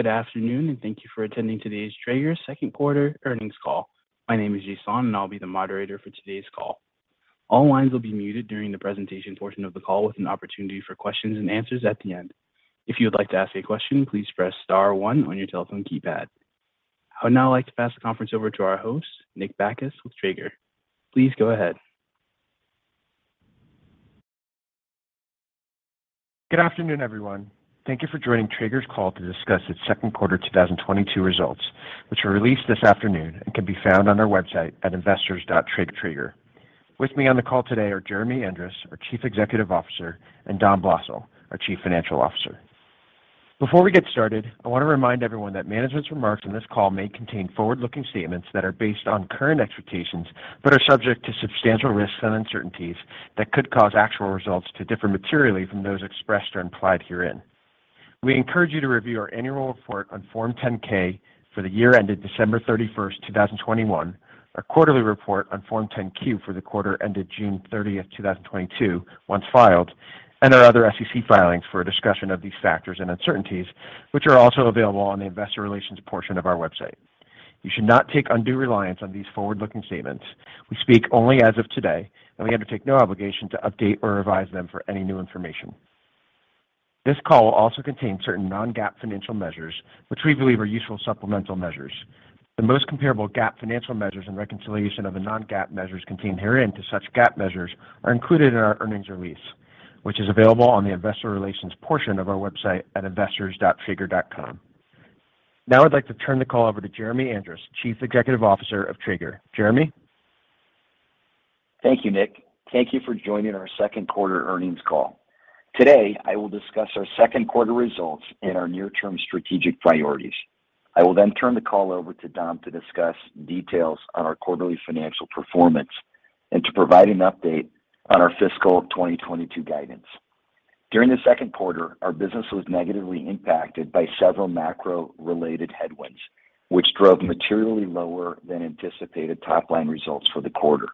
Good afternoon, and thank you for attending today's Traeger second quarter earnings call. My name is Jason, and I'll be the moderator for today's call. All lines will be muted during the presentation portion of the call with an opportunity for questions and answers at the end. If you would like to ask a question, please press star one on your telephone keypad. I would now like to pass the conference over to our host, Nick Bacchus with Traeger. Please go ahead. Good afternoon, everyone. Thank you for joining Traeger's call to discuss its second quarter 2022 results, which were released this afternoon and can be found on our website at investors.traeger.com. With me on the call today are Jeremy Andrus, our Chief Executive Officer, and Dom Blosil, our Chief Financial Officer. Before we get started, I want to remind everyone that management's remarks on this call may contain forward-looking statements that are based on current expectations but are subject to substantial risks and uncertainties that could cause actual results to differ materially from those expressed or implied herein. We encourage you to review our annual report on Form 10-K for the year ended December 31st, 2021, our quarterly report on Form 10-Q for the quarter ended June 30th, 2022, once filed, and our other SEC filings for a discussion of these factors and uncertainties, which are also available on the investor relations portion of our website. You should not take undue reliance on these forward-looking statements. We speak only as of today, and we undertake no obligation to update or revise them for any new information. This call will also contain certain non-GAAP financial measures, which we believe are useful supplemental measures. The most comparable GAAP financial measures and reconciliation of the non-GAAP measures contained herein to such GAAP measures are included in our earnings release, which is available on the investor relations portion of our website at investors.traeger.com. Now I'd like to turn the call over to Jeremy Andrus, Chief Executive Officer of Traeger. Jeremy? Thank you, Nick. Thank you for joining our second quarter earnings call. Today, I will discuss our second quarter results and our near-term strategic priorities. I will then turn the call over to Dom to discuss details on our quarterly financial performance and to provide an update on our fiscal 2022 guidance. During the second quarter, our business was negatively impacted by several macro-related headwinds, which drove materially lower than anticipated top-line results for the quarter.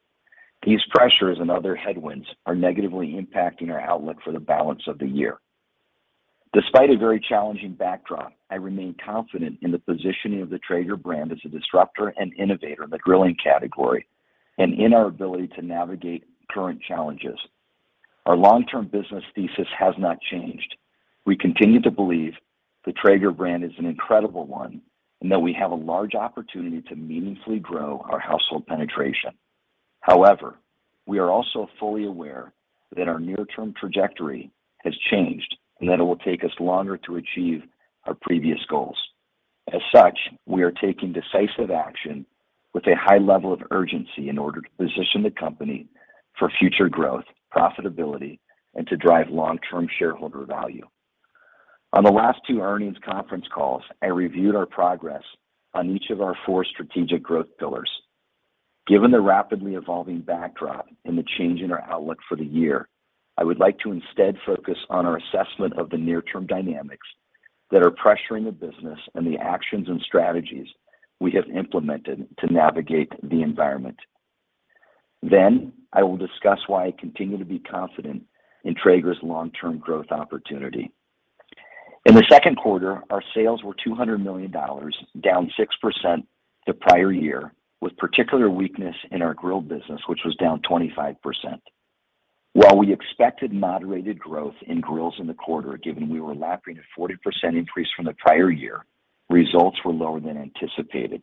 These pressures and other headwinds are negatively impacting our outlook for the balance of the year. Despite a very challenging backdrop, I remain confident in the positioning of the Traeger brand as a disruptor and innovator in the grilling category and in our ability to navigate current challenges. Our long-term business thesis has not changed. We continue to believe the Traeger brand is an incredible one and that we have a large opportunity to meaningfully grow our household penetration. However, we are also fully aware that our near-term trajectory has changed and that it will take us longer to achieve our previous goals. As such, we are taking decisive action with a high level of urgency in order to position the company for future growth, profitability, and to drive long-term shareholder value. On the last two earnings conference calls, I reviewed our progress on each of our four strategic growth pillars. Given the rapidly evolving backdrop and the change in our outlook for the year, I would like to instead focus on our assessment of the near-term dynamics that are pressuring the business and the actions and strategies we have implemented to navigate the environment. I will discuss why I continue to be confident in Traeger's long-term growth opportunity. In the second quarter, our sales were $200 million, down 6% the prior year, with particular weakness in our grill business, which was down 25%. While we expected moderated growth in grills in the quarter, given we were lapping a 40% increase from the prior year, results were lower than anticipated.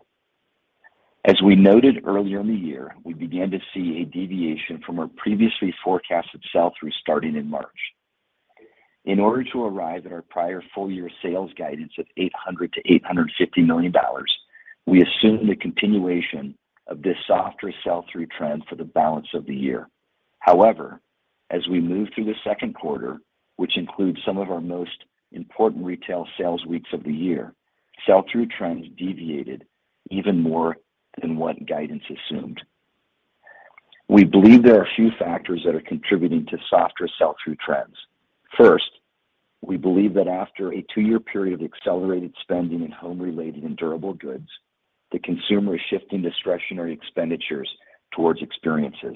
As we noted earlier in the year, we began to see a deviation from our previously forecasted sell-through starting in March. In order to arrive at our prior full-year sales guidance of $800 million-$850 million, we assumed the continuation of this softer sell-through trend for the balance of the year. However, as we moved through the second quarter, which includes some of our most important retail sales weeks of the year, sell-through trends deviated even more than what guidance assumed. We believe there are a few factors that are contributing to softer sell-through trends. First, we believe that after a two-year period of accelerated spending in home-related and durable goods, the consumer is shifting discretionary expenditures towards experiences.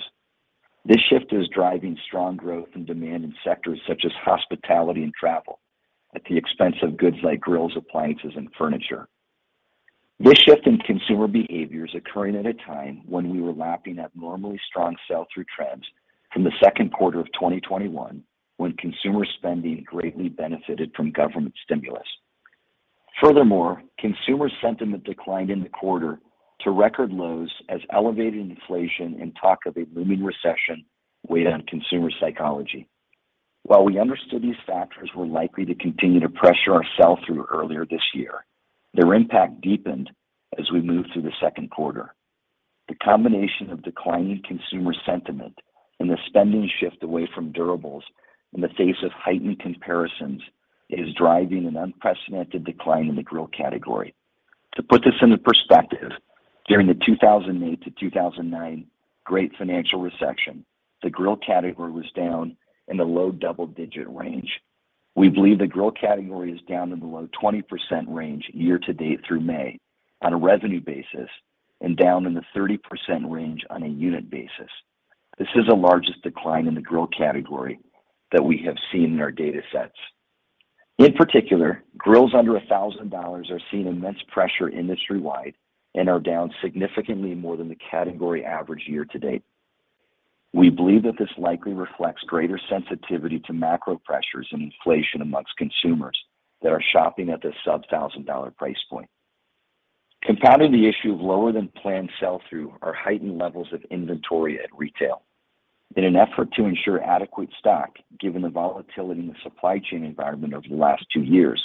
This shift is driving strong growth and demand in sectors such as hospitality and travel at the expense of goods like grills, appliances, and furniture. This shift in consumer behavior is occurring at a time when we were lapping abnormally strong sell-through trends from the second quarter of 2021 when consumer spending greatly benefited from government stimulus. Furthermore, consumer sentiment declined in the quarter to record lows as elevated inflation and talk of a looming recession weighed on consumer psychology. While we understood these factors were likely to continue to pressure our sell-through earlier this year, their impact deepened as we moved through the second quarter. The combination of declining consumer sentiment and the spending shift away from durables in the face of heightened comparisons is driving an unprecedented decline in the grill category. To put this into perspective, during the 2008-2009 Great Financial Recession, the grill category was down in the low double-digit range. We believe the grill category is down in the low 20% range year to date through May on a revenue basis and down in the 30% range on a unit basis. This is the largest decline in the grill category that we have seen in our data sets. In particular, grills under $1,000 are seeing immense pressure industry-wide and are down significantly more than the category average year-to-date. We believe that this likely reflects greater sensitivity to macro pressures and inflation amongst consumers that are shopping at the sub-$1,000 price point. Compounding the issue of lower than planned sell-through are heightened levels of inventory at retail. In an effort to ensure adequate stock, given the volatility in the supply chain environment over the last two years,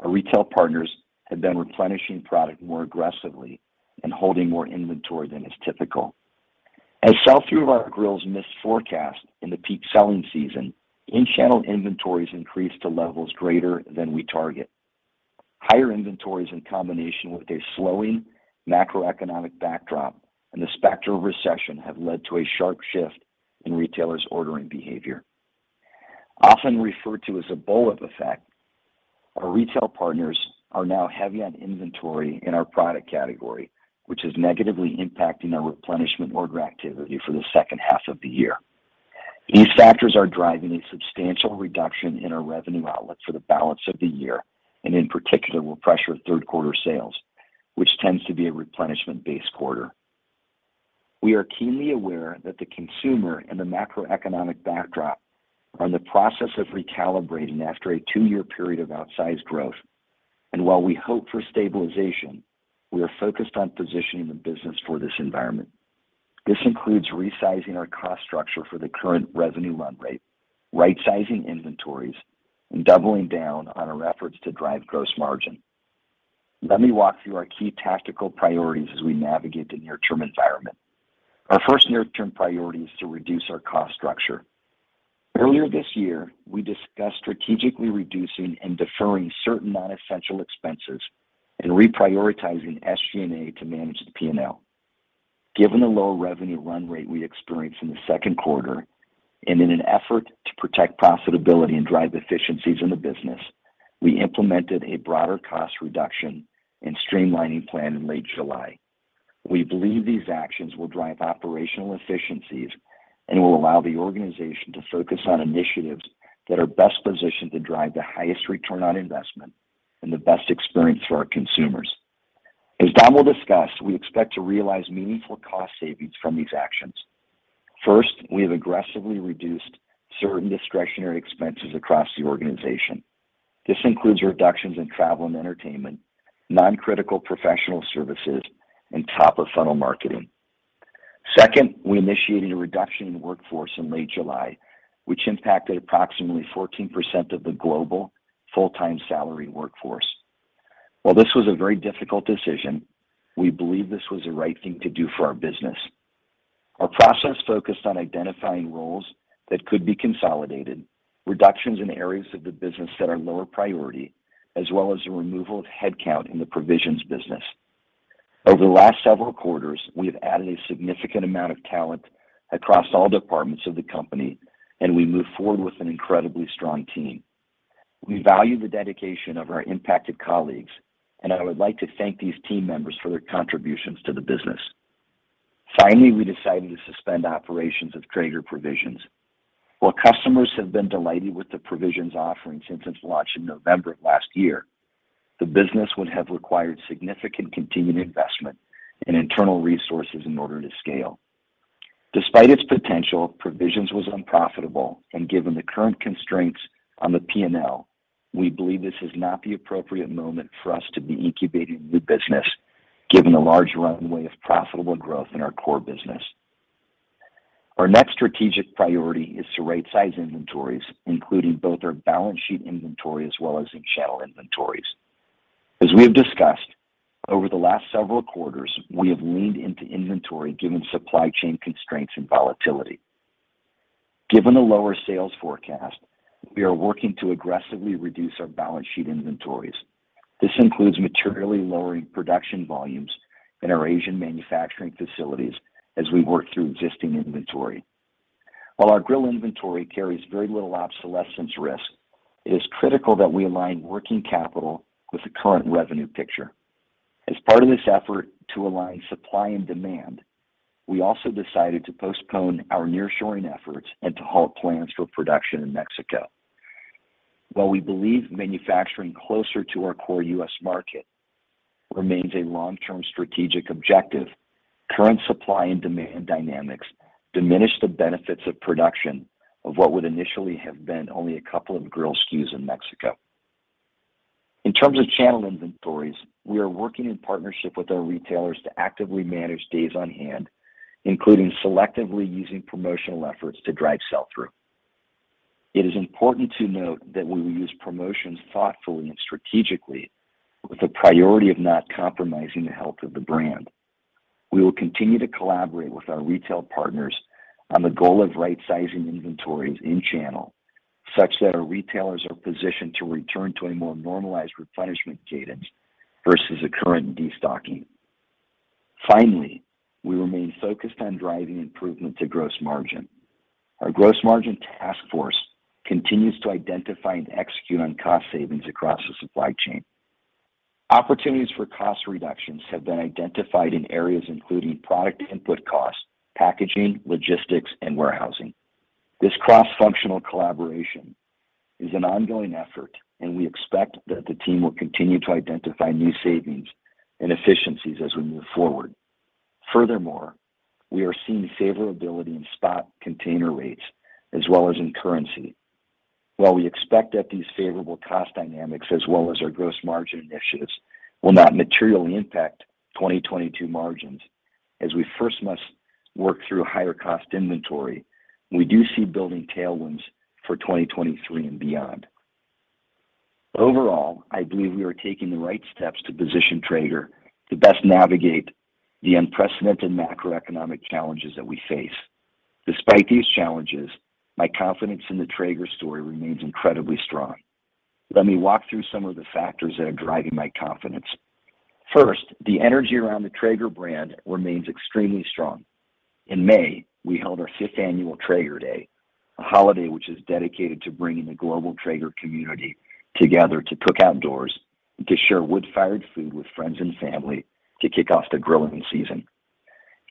our retail partners have been replenishing product more aggressively and holding more inventory than is typical. As sell-through of our grills missed forecast in the peak selling season, in-channel inventories increased to levels greater than we target. Higher inventories in combination with a slowing macroeconomic backdrop and the specter of recession have led to a sharp shift in retailers' ordering behavior. Often referred to as a bullwhip effect, our retail partners are now heavy on inventory in our product category, which is negatively impacting our replenishment order activity for the second half of the year. These factors are driving a substantial reduction in our revenue outlook for the balance of the year, and in particular, will pressure third quarter sales, which tends to be a replenishment-based quarter. We are keenly aware that the consumer and the macroeconomic backdrop are in the process of recalibrating after a two-year period of outsized growth. While we hope for stabilization, we are focused on positioning the business for this environment. This includes resizing our cost structure for the current revenue run rate, right sizing inventories, and doubling down on our efforts to drive gross margin. Let me walk through our key tactical priorities as we navigate the near-term environment. Our first near-term priority is to reduce our cost structure. Earlier this year, we discussed strategically reducing and deferring certain non-essential expenses and reprioritizing SG&A to manage the P&L. Given the lower revenue run rate we experienced in the second quarter and in an effort to protect profitability and drive efficiencies in the business, we implemented a broader cost reduction and streamlining plan in late July. We believe these actions will drive operational efficiencies and will allow the organization to focus on initiatives that are best positioned to drive the highest return on investment and the best experience for our consumers. As Dom will discuss, we expect to realize meaningful cost savings from these actions. First, we have aggressively reduced certain discretionary expenses across the organization. This includes reductions in travel and entertainment, non-critical professional services, and top-of-funnel marketing. Second, we initiated a reduction in workforce in late July, which impacted approximately 14% of the global full-time salary workforce. While this was a very difficult decision, we believe this was the right thing to do for our business. Our process focused on identifying roles that could be consolidated, reductions in areas of the business that are lower priority, as well as the removal of headcount in the Traeger Provisions business. Over the last several quarters, we have added a significant amount of talent across all departments of the company, and we move forward with an incredibly strong team. We value the dedication of our impacted colleagues, and I would like to thank these team members for their contributions to the business. Finally, we decided to suspend operations of Traeger Provisions. While customers have been delighted with the Provisions offering since its launch in November of last year, the business would have required significant continued investment and internal resources in order to scale. Despite its potential, Provisions was unprofitable, and given the current constraints on the P&L, we believe this is not the appropriate moment for us to be incubating new business, given the large runway of profitable growth in our core business. Our next strategic priority is to right-size inventories, including both our balance sheet inventory as well as in-channel inventories. As we have discussed, over the last several quarters, we have leaned into inventory given supply chain constraints and volatility. Given the lower sales forecast, we are working to aggressively reduce our balance sheet inventories. This includes materially lowering production volumes in our Asian manufacturing facilities as we work through existing inventory. While our grill inventory carries very little obsolescence risk, it is critical that we align working capital with the current revenue picture. As part of this effort to align supply and demand, we also decided to postpone our nearshoring efforts and to halt plans for production in Mexico. While we believe manufacturing closer to our core U.S. market remains a long-term strategic objective, current supply and demand dynamics diminish the benefits of production of what would initially have been only a couple of grill SKUs in Mexico. In terms of channel inventories, we are working in partnership with our retailers to actively manage days on hand, including selectively using promotional efforts to drive sell-through. It is important to note that we will use promotions thoughtfully and strategically with the priority of not compromising the health of the brand. We will continue to collaborate with our retail partners on the goal of right-sizing inventories in channel such that our retailers are positioned to return to a more normalized replenishment cadence versus a current destocking. Finally, we remain focused on driving improvement to gross margin. Our gross margin task force continues to identify and execute on cost savings across the supply chain. Opportunities for cost reductions have been identified in areas including product input costs, packaging, logistics, and warehousing. This cross-functional collaboration is an ongoing effort, and we expect that the team will continue to identify new savings and efficiencies as we move forward. Furthermore, we are seeing favorability in spot container rates as well as in currency. While we expect that these favorable cost dynamics as well as our gross margin initiatives will not materially impact 2022 margins, as we first must work through higher cost inventory, we do see building tailwinds for 2023 and beyond. Overall, I believe we are taking the right steps to position Traeger to best navigate the unprecedented macroeconomic challenges that we face. Despite these challenges, my confidence in the Traeger story remains incredibly strong. Let me walk through some of the factors that are driving my confidence. First, the energy around the Traeger brand remains extremely strong. In May, we held our 5th Annual Traeger Day, a holiday which is dedicated to bringing the global Traeger community together to cook outdoors and to share wood-fired food with friends and family to kick off the grilling season.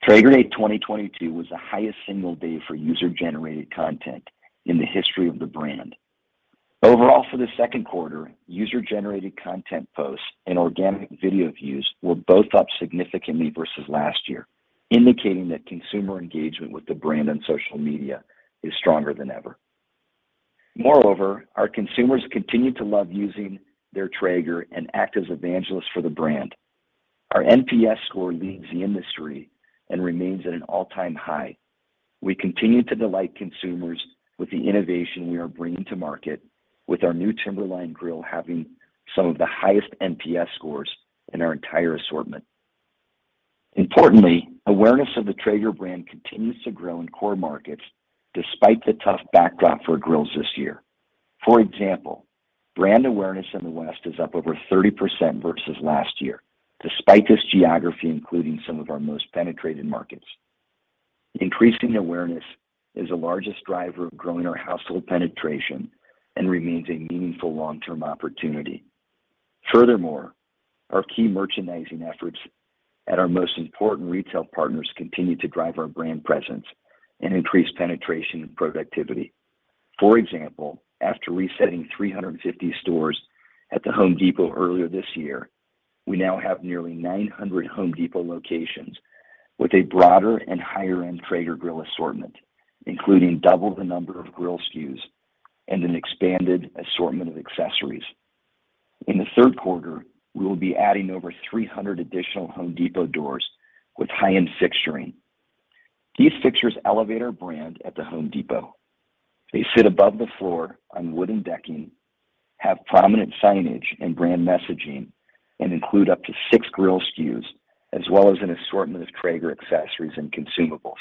Traeger Day 2022 was the highest single day for user-generated content in the history of the brand. Overall, for the second quarter, user-generated content posts and organic video views were both up significantly versus last year, indicating that consumer engagement with the brand on social media is stronger than ever. Moreover, our consumers continue to love using their Traeger and act as evangelists for the brand. Our NPS score leads the industry and remains at an all-time high. We continue to delight consumers with the innovation we are bringing to market with our new Timberline grill having some of the highest NPS scores in our entire assortment. Importantly, awareness of the Traeger brand continues to grow in core markets despite the tough backdrop for grills this year. For example, brand awareness in the West is up over 30% versus last year, despite this geography including some of our most penetrated markets. Increasing awareness is the largest driver of growing our household penetration and remains a meaningful long-term opportunity. Furthermore, our key merchandising efforts at our most important retail partners continue to drive our brand presence and increase penetration and productivity. For example, after resetting 350 stores at The Home Depot earlier this year, we now have nearly 900 The Home Depot locations with a broader and higher-end Traeger grill assortment, including double the number of grill SKUs and an expanded assortment of accessories. In the third quarter, we will be adding over 300 additional The Home Depot doors with high-end fixturing. These fixtures elevate our brand at The Home Depot. They sit above the floor on wooden decking, have prominent signage and brand messaging, and include up to six grill SKUs as well as an assortment of Traeger accessories and consumables.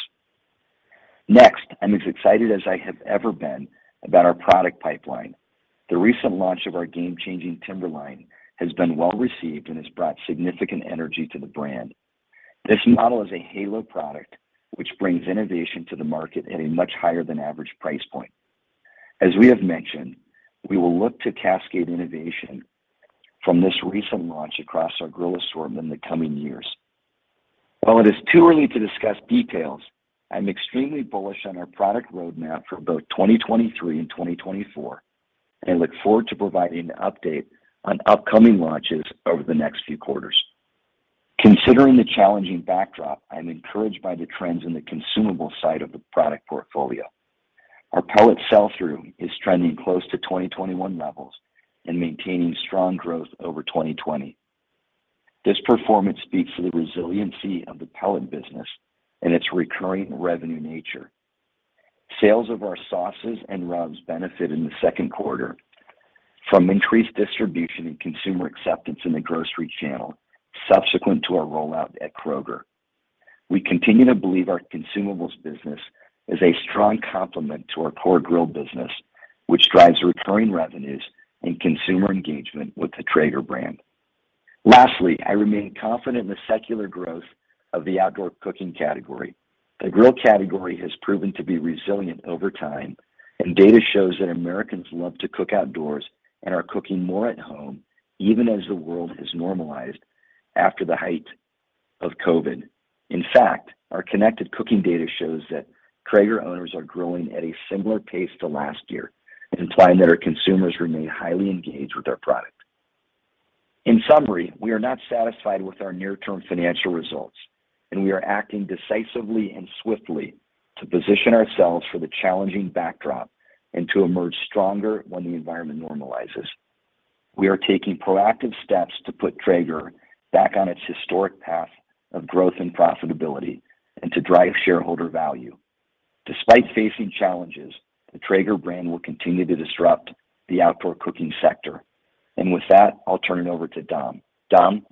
Next, I'm as excited as I have ever been about our product pipeline. The recent launch of our game-changing Timberline has been well-received and has brought significant energy to the brand. This model is a halo product which brings innovation to the market at a much higher than average price point. As we have mentioned, we will look to cascade innovation from this recent launch across our grill assortment in the coming years. While it is too early to discuss details, I'm extremely bullish on our product roadmap for both 2023 and 2024, and I look forward to providing an update on upcoming launches over the next few quarters. Considering the challenging backdrop, I am encouraged by the trends in the consumables side of the product portfolio. Our pellets sell-through is trending close to 2021 levels and maintaining strong growth over 2020. This performance speaks to the resiliency of the pellets business and its recurring revenue nature. Sales of our sauces and rubs benefited in the second quarter from increased distribution and consumer acceptance in the grocery channel subsequent to our rollout at Kroger. We continue to believe our consumables business is a strong complement to our core grill business, which drives recurring revenues and consumer engagement with the Traeger brand. Lastly, I remain confident in the secular growth of the outdoor cooking category. The grill category has proven to be resilient over time, and data shows that Americans love to cook outdoors and are cooking more at home even as the world has normalized after the height of COVID. In fact, our connected cooking data shows that Traeger owners are grilling at a similar pace to last year and imply that our consumers remain highly engaged with our product. In summary, we are not satisfied with our near-term financial results, and we are acting decisively and swiftly to position ourselves for the challenging backdrop and to emerge stronger when the environment normalizes. We are taking proactive steps to put Traeger back on its historic path of growth and profitability and to drive shareholder value. Despite facing challenges, the Traeger brand will continue to disrupt the outdoor cooking sector. With that, I'll turn it over to Dom. Dom?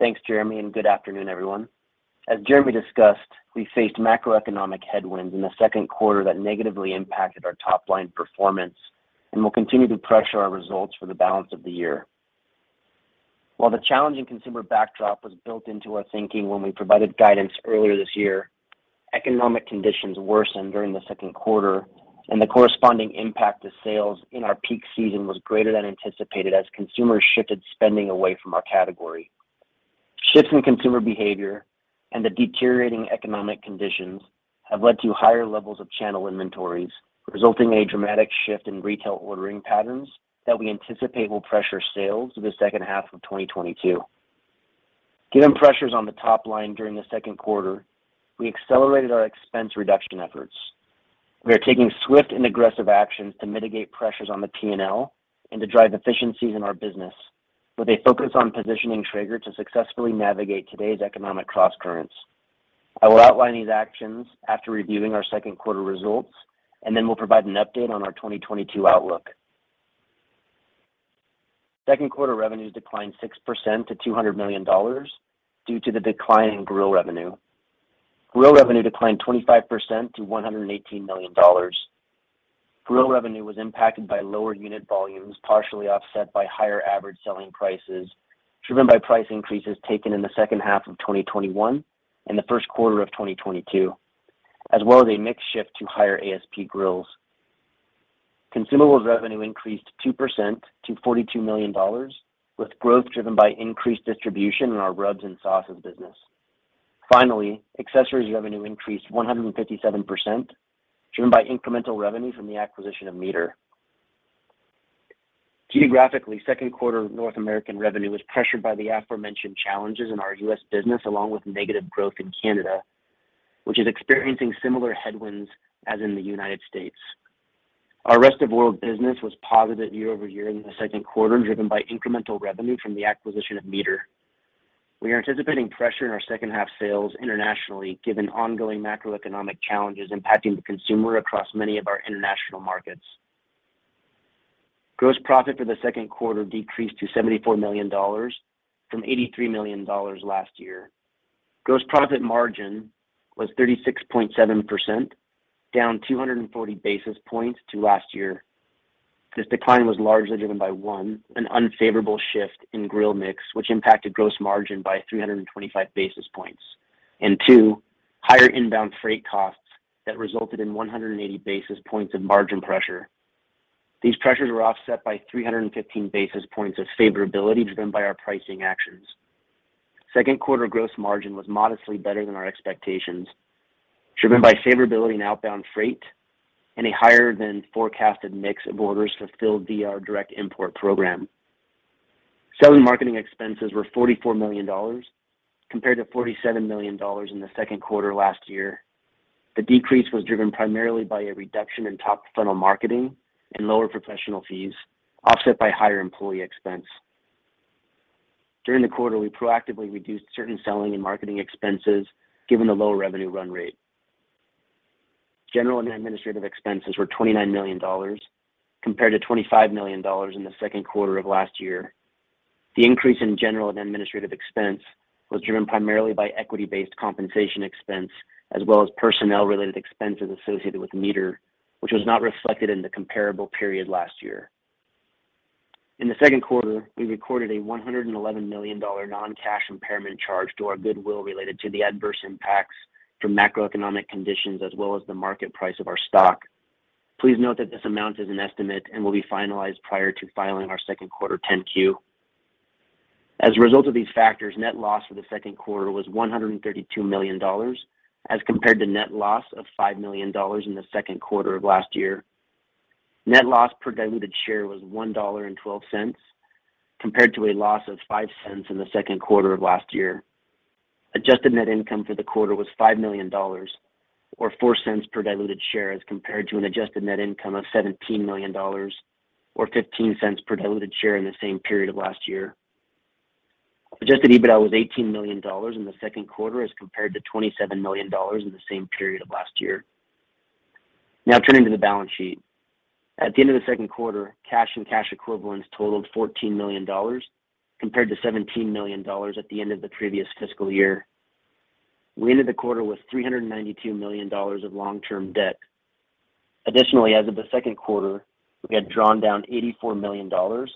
Thanks, Jeremy, and good afternoon, everyone. As Jeremy discussed, we faced macroeconomic headwinds in the second quarter that negatively impacted our top-line performance and will continue to pressure our results for the balance of the year. While the challenging consumer backdrop was built into our thinking when we provided guidance earlier this year. Economic conditions worsened during the second quarter, and the corresponding impact to sales in our peak season was greater than anticipated as consumers shifted spending away from our category. Shifts in consumer behavior and the deteriorating economic conditions have led to higher levels of channel inventories, resulting in a dramatic shift in retail ordering patterns that we anticipate will pressure sales through the second half of 2022. Given pressures on the top line during the second quarter, we accelerated our expense reduction efforts. We are taking swift and aggressive actions to mitigate pressures on the P&L and to drive efficiencies in our business with a focus on positioning Traeger to successfully navigate today's economic crosscurrents. I will outline these actions after reviewing our second quarter results, and then we'll provide an update on our 2022 outlook. Second quarter revenues declined 6% to $200 million due to the decline in grill revenue. Grill revenue declined 25% to $118 million. Grill revenue was impacted by lower unit volumes, partially offset by higher average selling prices, driven by price increases taken in the second half of 2021 and the first quarter of 2022, as well as a mix shift to higher ASP grills. Consumables revenue increased 2% to $42 million, with growth driven by increased distribution in our rubs and sauces business. Finally, accessories revenue increased 157%, driven by incremental revenue from the acquisition of MEATER. Geographically, second quarter North American revenue was pressured by the aforementioned challenges in our U.S. business, along with negative growth in Canada, which is experiencing similar headwinds as in the United States. Our rest of world business was positive year-over-year in the second quarter, driven by incremental revenue from the acquisition of MEATER. We are anticipating pressure in our second half sales internationally, given ongoing macroeconomic challenges impacting the consumer across many of our international markets. Gross profit for the second quarter decreased to $74 million from $83 million last year. Gross profit margin was 36.7%, down 240 basis points to last year. This decline was largely driven by, one, an unfavorable shift in grill mix, which impacted gross margin by 325 basis points. Two, higher inbound freight costs that resulted in 180 basis points of margin pressure. These pressures were offset by 315 basis points of favorability driven by our pricing actions. Second quarter gross margin was modestly better than our expectations, driven by favorability in outbound freight and a higher than forecasted mix of orders fulfilled via our direct import program. Selling and marketing expenses were $44 million compared to $47 million in the second quarter last year. The decrease was driven primarily by a reduction in top funnel marketing and lower professional fees, offset by higher employee expense. During the quarter, we proactively reduced certain selling and marketing expenses given the low revenue run rate. General and administrative expenses were $29 million compared to $25 million in the second quarter of last year. The increase in general and administrative expense was driven primarily by equity-based compensation expense as well as personnel related expenses associated with MEATER, which was not reflected in the comparable period last year. In the second quarter, we recorded a $111 million non-cash impairment charge to our goodwill related to the adverse impacts from macroeconomic conditions as well as the market price of our stock. Please note that this amount is an estimate and will be finalized prior to filing our second quarter 10-Q. As a result of these factors, net loss for the second quarter was $132 million as compared to net loss of $5 million in the second quarter of last year. Net loss per diluted share was $1.12 compared to a loss of $0.05 in the second quarter of last year. Adjusted net income for the quarter was $5 million or $0.04 per diluted share as compared to an adjusted net income of $17 million or $0.15 per diluted share in the same period of last year. Adjusted EBITDA was $18 million in the second quarter as compared to $27 million in the same period of last year. Now turning to the balance sheet. At the end of the second quarter, cash and cash equivalents totaled $14 million compared to $17 million at the end of the previous fiscal year. We ended the quarter with $392 million of long-term debt. Additionally, as of the second quarter, we had drawn down $84 million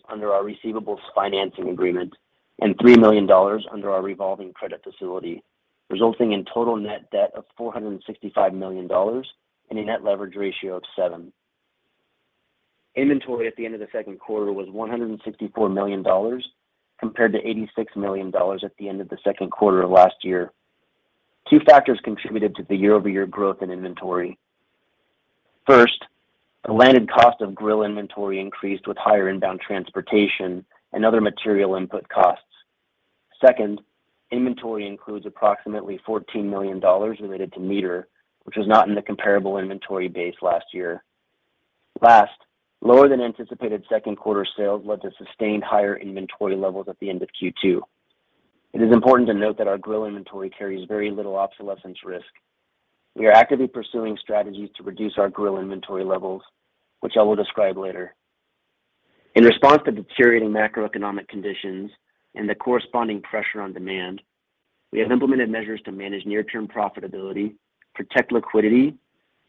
under our receivables financing agreement and $3 million under our Revolving Credit Facility, resulting in total net debt of $465 million and a net leverage ratio of seven. Inventory at the end of the second quarter was $164 million compared to $86 million at the end of the second quarter of last year. Two factors contributed to the year-over-year growth in inventory. First, the landed cost of grill inventory increased with higher inbound transportation and other material input costs. Second, inventory includes approximately $14 million related to MEATER, which was not in the comparable inventory base last year. Last, lower than anticipated second quarter sales led to sustained higher inventory levels at the end of Q2. It is important to note that our grill inventory carries very little obsolescence risk. We are actively pursuing strategies to reduce our grill inventory levels, which I will describe later. In response to deteriorating macroeconomic conditions and the corresponding pressure on demand, we have implemented measures to manage near term profitability, protect liquidity,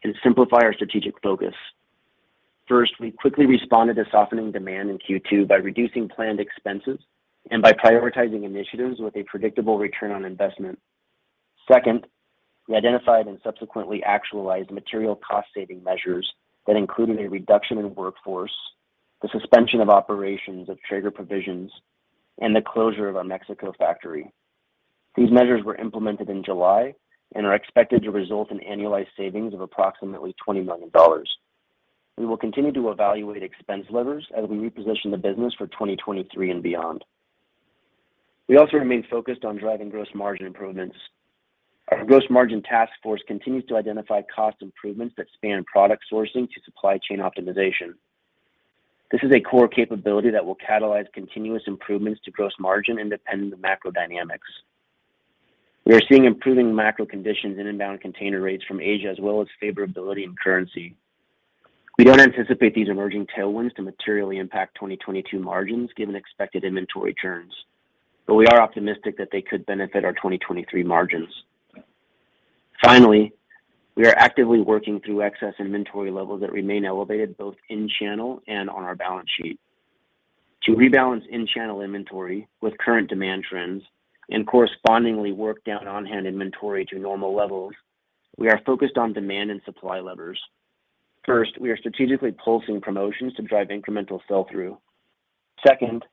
and simplify our strategic focus. First, we quickly responded to softening demand in Q2 by reducing planned expenses and by prioritizing initiatives with a predictable return on investment. Second, we identified and subsequently actualized material cost saving measures that included a reduction in workforce, the suspension of operations of Traeger Provisions, and the closure of our Mexico factory. These measures were implemented in July and are expected to result in annualized savings of approximately $20 million. We will continue to evaluate expense levers as we reposition the business for 2023 and beyond. We also remain focused on driving gross margin improvements. Our gross margin task force continues to identify cost improvements that span product sourcing to supply chain optimization. This is a core capability that will catalyze continuous improvements to gross margin independent of macro dynamics. We are seeing improving macro conditions in inbound container rates from Asia, as well as favorability in currency. We don't anticipate these emerging tailwinds to materially impact 2022 margins given expected inventory churns, but we are optimistic that they could benefit our 2023 margins. Finally, we are actively working through excess inventory levels that remain elevated both in channel and on our balance sheet. To rebalance in-channel inventory with current demand trends and correspondingly work down on-hand inventory to normal levels, we are focused on demand and supply levers. First, we are strategically pulsing promotions to drive incremental sell-through. Second,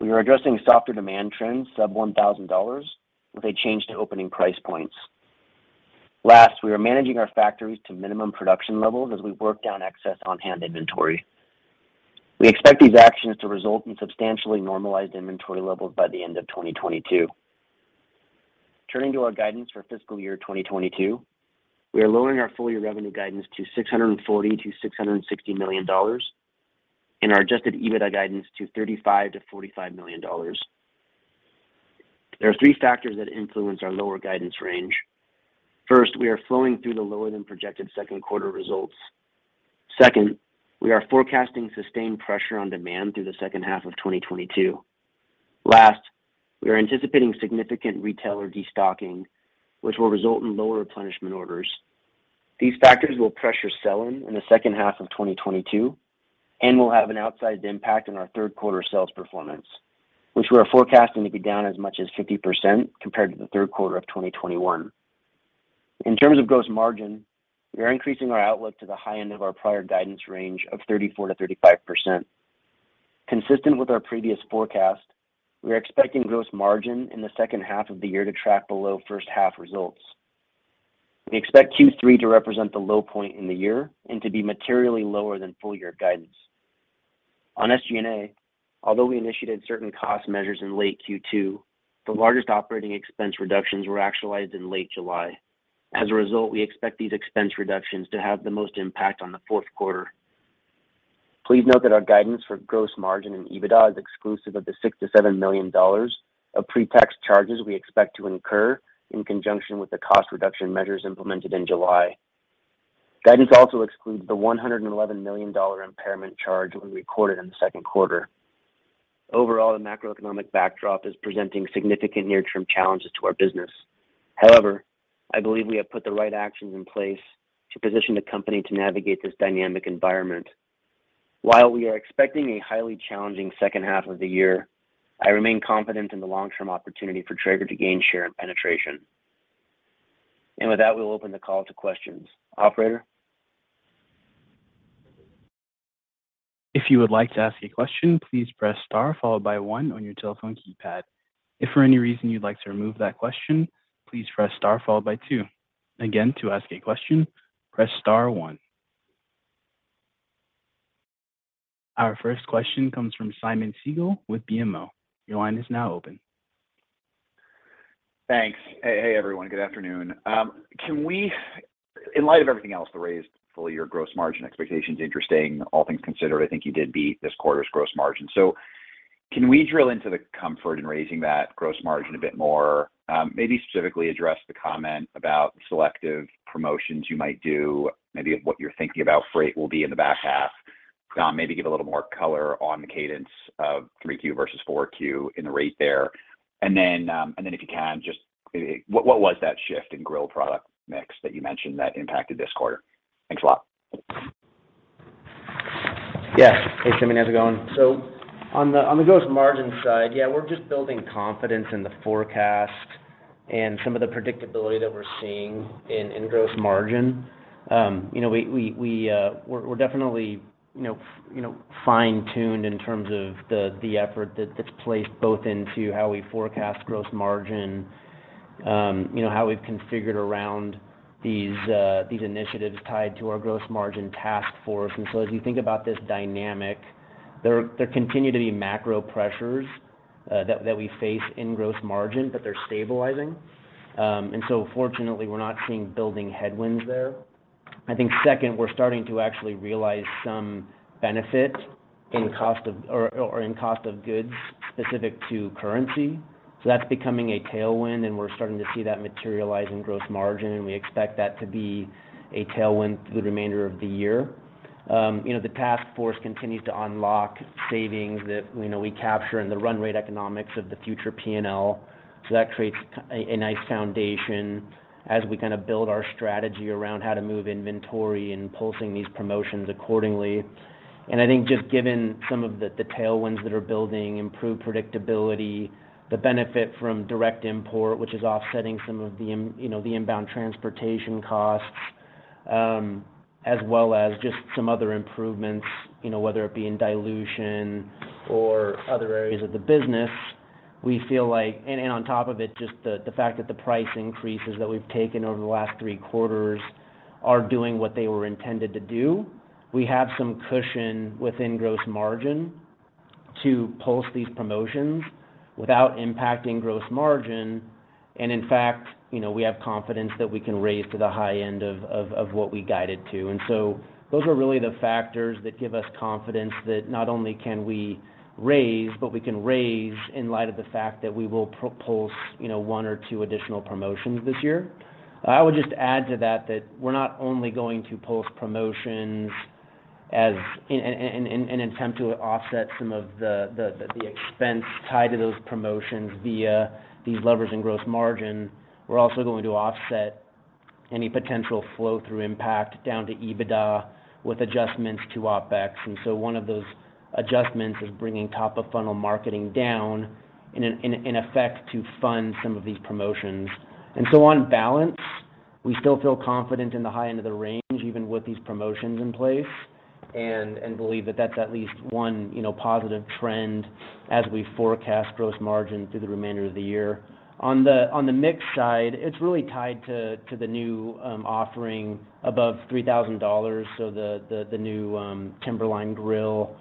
we are addressing softer demand trends sub-$1,000 with a change to opening price points. Last, we are managing our factories to minimum production levels as we work down excess on-hand inventory. We expect these actions to result in substantially normalized inventory levels by the end of 2022. Turning to our guidance for fiscal year 2022, we are lowering our full-year revenue guidance to $640 million-$660 million and our Adjusted EBITDA guidance to $35 million-$45 million. There are three factors that influence our lower guidance range. First, we are flowing through the lower than projected second quarter results. Second, we are forecasting sustained pressure on demand through the second half of 2022. Last, we are anticipating significant retailer destocking, which will result in lower replenishment orders. These factors will pressure sell-in in the second half of 2022 and will have an outsized impact on our third quarter sales performance, which we are forecasting to be down as much as 50% compared to the third quarter of 2021. In terms of gross margin, we are increasing our outlook to the high end of our prior guidance range of 34%-35%. Consistent with our previous forecast, we are expecting gross margin in the second half of the year to track below first half results. We expect Q3 to represent the low point in the year and to be materially lower than full year guidance. On SG&A, although we initiated certain cost measures in late Q2, the largest operating expense reductions were actualized in late July. As a result, we expect these expense reductions to have the most impact on the fourth quarter. Please note that our guidance for gross margin and EBITDA is exclusive of the $6 million-$7 million of pre-tax charges we expect to incur in conjunction with the cost reduction measures implemented in July. Guidance also excludes the $111 million impairment charge we recorded in the second quarter. Overall, the macroeconomic backdrop is presenting significant near term challenges to our business. However, I believe we have put the right actions in place to position the company to navigate this dynamic environment. While we are expecting a highly challenging second half of the year, I remain confident in the long-term opportunity for Traeger to gain share and penetration. With that, we'll open the call to questions. Operator? If you would like to ask a question, please press star followed by one on your telephone keypad. If for any reason you'd like to remove that question, please press star followed by two. Again, to ask a question, press star one. Our first question comes from Simeon Siegel with BMO. Your line is now open. Thanks. Hey, everyone. Good afternoon. In light of everything else, the raised full year gross margin expectation is interesting. All things considered, I think you did beat this quarter's gross margin. Can we drill into the comfort in raising that gross margin a bit more? Maybe specifically address the comment about selective promotions you might do, maybe of what you're thinking about freight will be in the back half. Maybe give a little more color on the cadence of 3Q versus 4Q in the rate there. If you can, just what was that shift in grill product mix that you mentioned that impacted this quarter? Thanks a lot. Yeah. Hey, Simeon. How's it going? On the gross margin side, yeah, we're just building confidence in the forecast and some of the predictability that we're seeing in gross margin. You know, we're definitely, you know, fine-tuned in terms of the effort that's placed both into how we forecast gross margin, you know, how we've configured around these initiatives tied to our gross margin task force. As you think about this dynamic, there continue to be macro pressures that we face in gross margin, but they're stabilizing. Fortunately, we're not seeing building headwinds there. I think second, we're starting to actually realize some benefit in cost of goods specific to currency. That's becoming a tailwind, and we're starting to see that materialize in gross margin, and we expect that to be a tailwind through the remainder of the year. You know, the task force continues to unlock savings that, you know, we capture in the run rate economics of the future P&L. That creates a nice foundation as we kind of build our Strategy around how to move inventory and pulsing these promotions accordingly. I think just given some of the tailwinds that are building, improved predictability, the benefit from direct import, which is offsetting some of the, you know, the inbound transportation costs, as well as just some other improvements, you know, whether it be in dilution or other areas of the business, we feel like we can. On top of it, just the fact that the price increases that we've taken over the last three quarters are doing what they were intended to do. We have some cushion within gross margin to pulse these promotions without impacting gross margin. In fact, you know, we have confidence that we can raise to the high end of what we guided to. Those are really the factors that give us confidence that not only can we raise, but we can raise in light of the fact that we will pulse, you know, one or two additional promotions this year. I would just add to that we're not only going to pulse promotions as in an attempt to offset some of the expense tied to those promotions via these levers in gross margin. We're also going to offset any potential flow-through impact down to EBITDA with adjustments to OpEx. One of those adjustments is bringing top-of-funnel marketing down in effect to fund some of these promotions. On balance, we still feel confident in the high end of the range, even with these promotions in place, and believe that that's at least one, you know, positive trend as we forecast gross margin through the remainder of the year. On the mix side, it's really tied to the new offering above $3,000, so the new Timberline grill.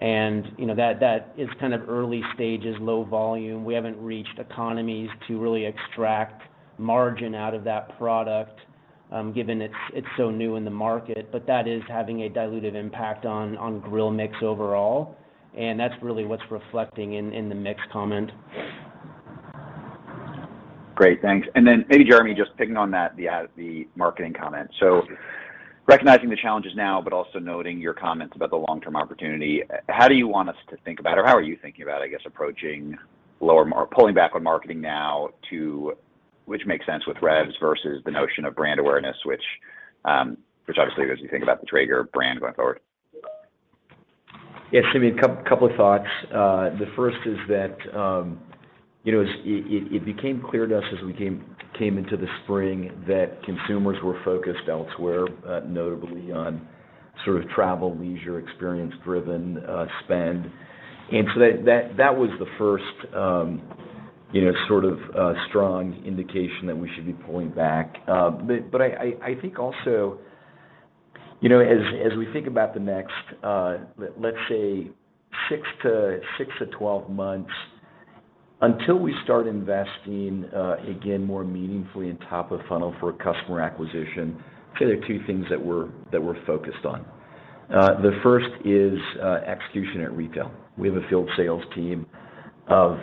You know, that is kind of early stages, low volume. We haven't reached economies to really extract margin out of that product, given it's so new in the market. That is having a dilutive impact on grill mix overall, and that's really what's reflecting in the mix comment. Great. Thanks. Maybe Jeremy, just picking on that, the marketing comment. Recognizing the challenges now, but also noting your comments about the long-term opportunity, how do you want us to think about or how are you thinking about, I guess, pulling back on marketing now, which makes sense with revs versus the notion of brand awareness, which obviously as you think about the Traeger brand going forward. Yeah. I mean, a couple of thoughts. The first is that, you know, as it became clear to us as we came into the spring that consumers were focused elsewhere, notably on sort of travel, leisure, experience-driven spend. That was the first, you know, sort of, strong indication that we should be pulling back. I think also, you know, as we think about the next, let's say 6 to 12 months, until we start investing again more meaningfully in top-of-funnel for customer acquisition, say there are two things that we're focused on. The first is execution at retail. We have a field sales team of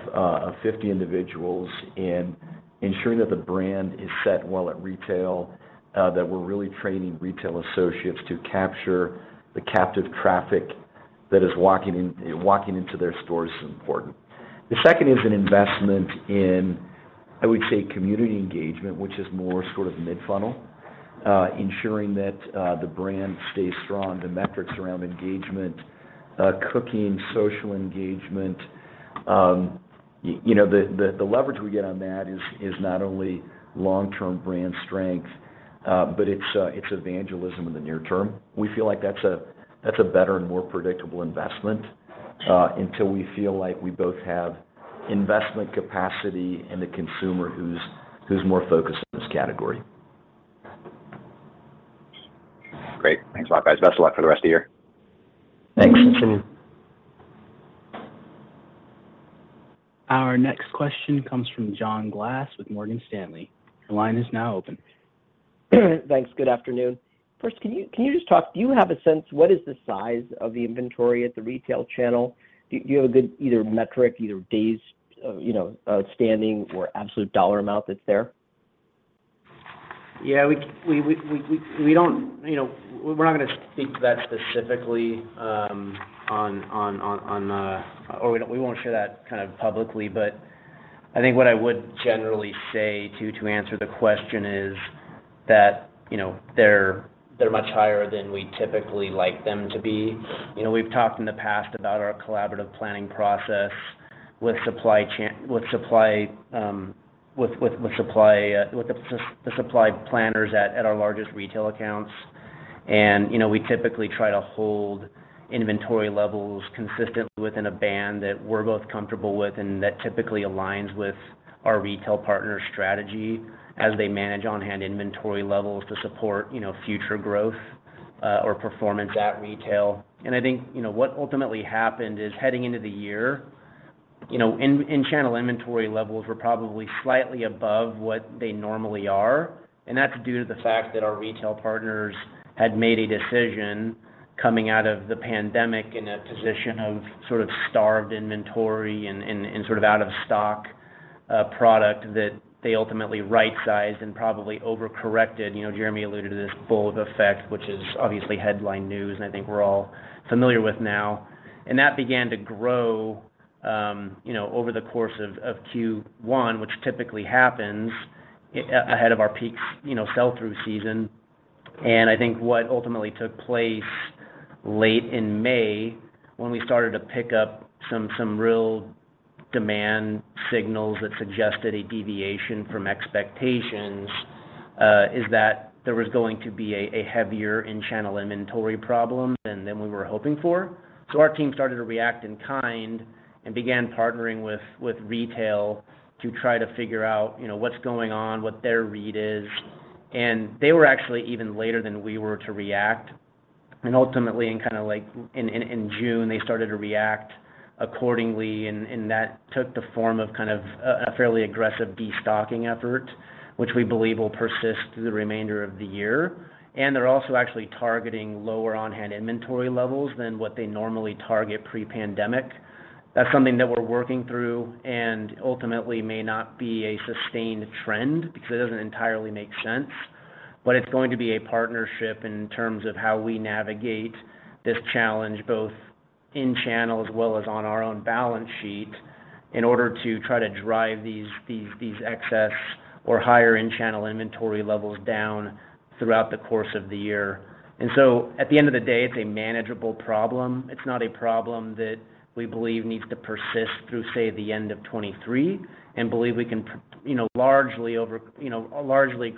50 individuals, and ensuring that the brand is set well at retail, that we're really training retail associates to capture the captive traffic that is walking into their stores is important. The second is an investment in, I would say, community engagement, which is more sort of mid-funnel. Ensuring that the brand stays strong, the metrics around engagement, cooking, social engagement. You know, the leverage we get on that is not only long-term brand strength, but it's evangelism in the near term. We feel like that's a better and more predictable investment until we feel like we both have investment capacity and a consumer who's more focused on this category. Great. Thanks a lot, guys. Best of luck for the rest of the year. Thanks. Thanks. Our next question comes from John Glass with Morgan Stanley. Your line is now open. Thanks. Good afternoon. First, do you have a sense what is the size of the inventory at the retail channel? Do you have a good either metric, either days, you know, standing or absolute dollar amount that's there? Yeah, we don't. You know, we're not gonna speak to that specifically. We won't share that kind of publicly. I think what I would generally say to answer the question is that, you know, they're much higher than we typically like them to be. You know, we've talked in the past about our collaborative planning process with the supply planners at our largest retail accounts. You know, we typically try to hold inventory levels consistently within a band that we're both comfortable with and that typically aligns with our retail partner strategy as they manage on-hand inventory levels to support, you know, future growth or performance at retail. I think, you know, what ultimately happened is heading into the year, you know, in-channel inventory levels were probably slightly above what they normally are, and that's due to the fact that our retail partners had made a decision coming out of the pandemic in a position of sort of starved inventory and sort of out-of-stock product that they ultimately right-sized and probably overcorrected. You know, Jeremy alluded to this bullwhip effect, which is obviously headline news, and I think we're all familiar with now. That began to grow, you know, over the course of Q1, which typically happens ahead of our peak sell-through season. I think what ultimately took place late in May when we started to pick up some real demand signals that suggested a deviation from expectations is that there was going to be a heavier in-channel inventory problem than we were hoping for. Our team started to react in kind and began partnering with retail to try to figure out, you know, what's going on, what their read is. They were actually even later than we were to react. Ultimately, in kind of like in June, they started to react accordingly and that took the form of kind of a fairly aggressive destocking effort, which we believe will persist through the remainder of the year. They're also actually targeting lower on-hand inventory levels than what they normally target pre-pandemic. That's something that we're working through and ultimately may not be a sustained trend because it doesn't entirely make sense. It's going to be a partnership in terms of how we navigate this challenge, both in-channel as well as on our own balance sheet in order to try to drive these excess or higher in-channel inventory levels down throughout the course of the year. At the end of the day, it's a manageable problem. It's not a problem that we believe needs to persist through, say, the end of 2023, and believe we can, you know, largely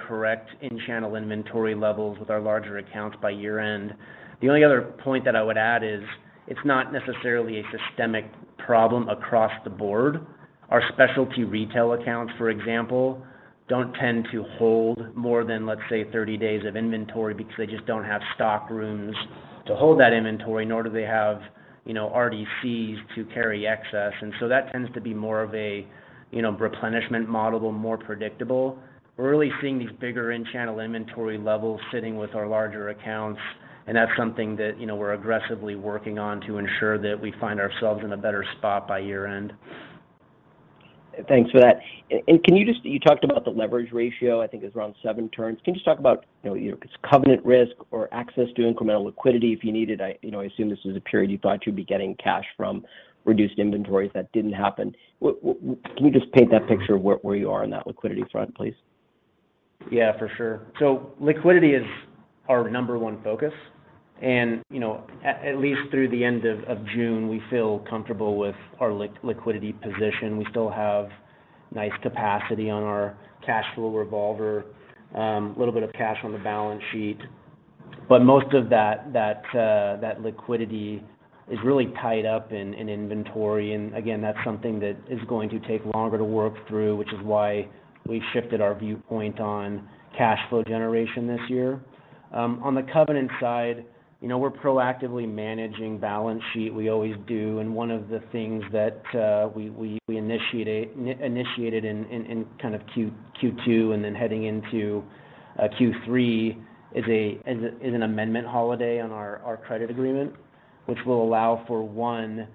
correct in-channel inventory levels with our larger accounts by year-end. The only other point that I would add is it's not necessarily a systemic problem across the board. Our specialty retail accounts, for example, don't tend to hold more than, let's say, 30 days of inventory because they just don't have stock rooms to hold that inventory, nor do they have, you know, RDCs to carry excess. That tends to be more of a, you know, replenishment model, more predictable. We're really seeing these bigger in-channel inventory levels sitting with our larger accounts, and that's something that, you know, we're aggressively working on to ensure that we find ourselves in a better spot by year-end. Thanks for that. Can you just. You talked about the leverage ratio, I think it was around seven turns. Can you just talk about, you know, if it's covenant risk or access to incremental liquidity if you need it. I, you know, I assume this was a period you thought you'd be getting cash from reduced inventories that didn't happen. Can you just paint that picture of where you are on that liquidity front, please? Yeah, for sure. Liquidity is our number one focus, and at least through the end of June, we feel comfortable with our liquidity position. We still have nice capacity on our cash flow revolver, little bit of cash on the balance sheet. Most of that liquidity is really tied up in inventory. Again, that's something that is going to take longer to work through, which is why we shifted our viewpoint on cash flow generation this year. On the covenant side, we're proactively managing balance sheet. We always do. One of the things that we initiated in kind of Q2 and then heading into Q3 is an Amendment holiday on our Credit Agreement, which will allow for one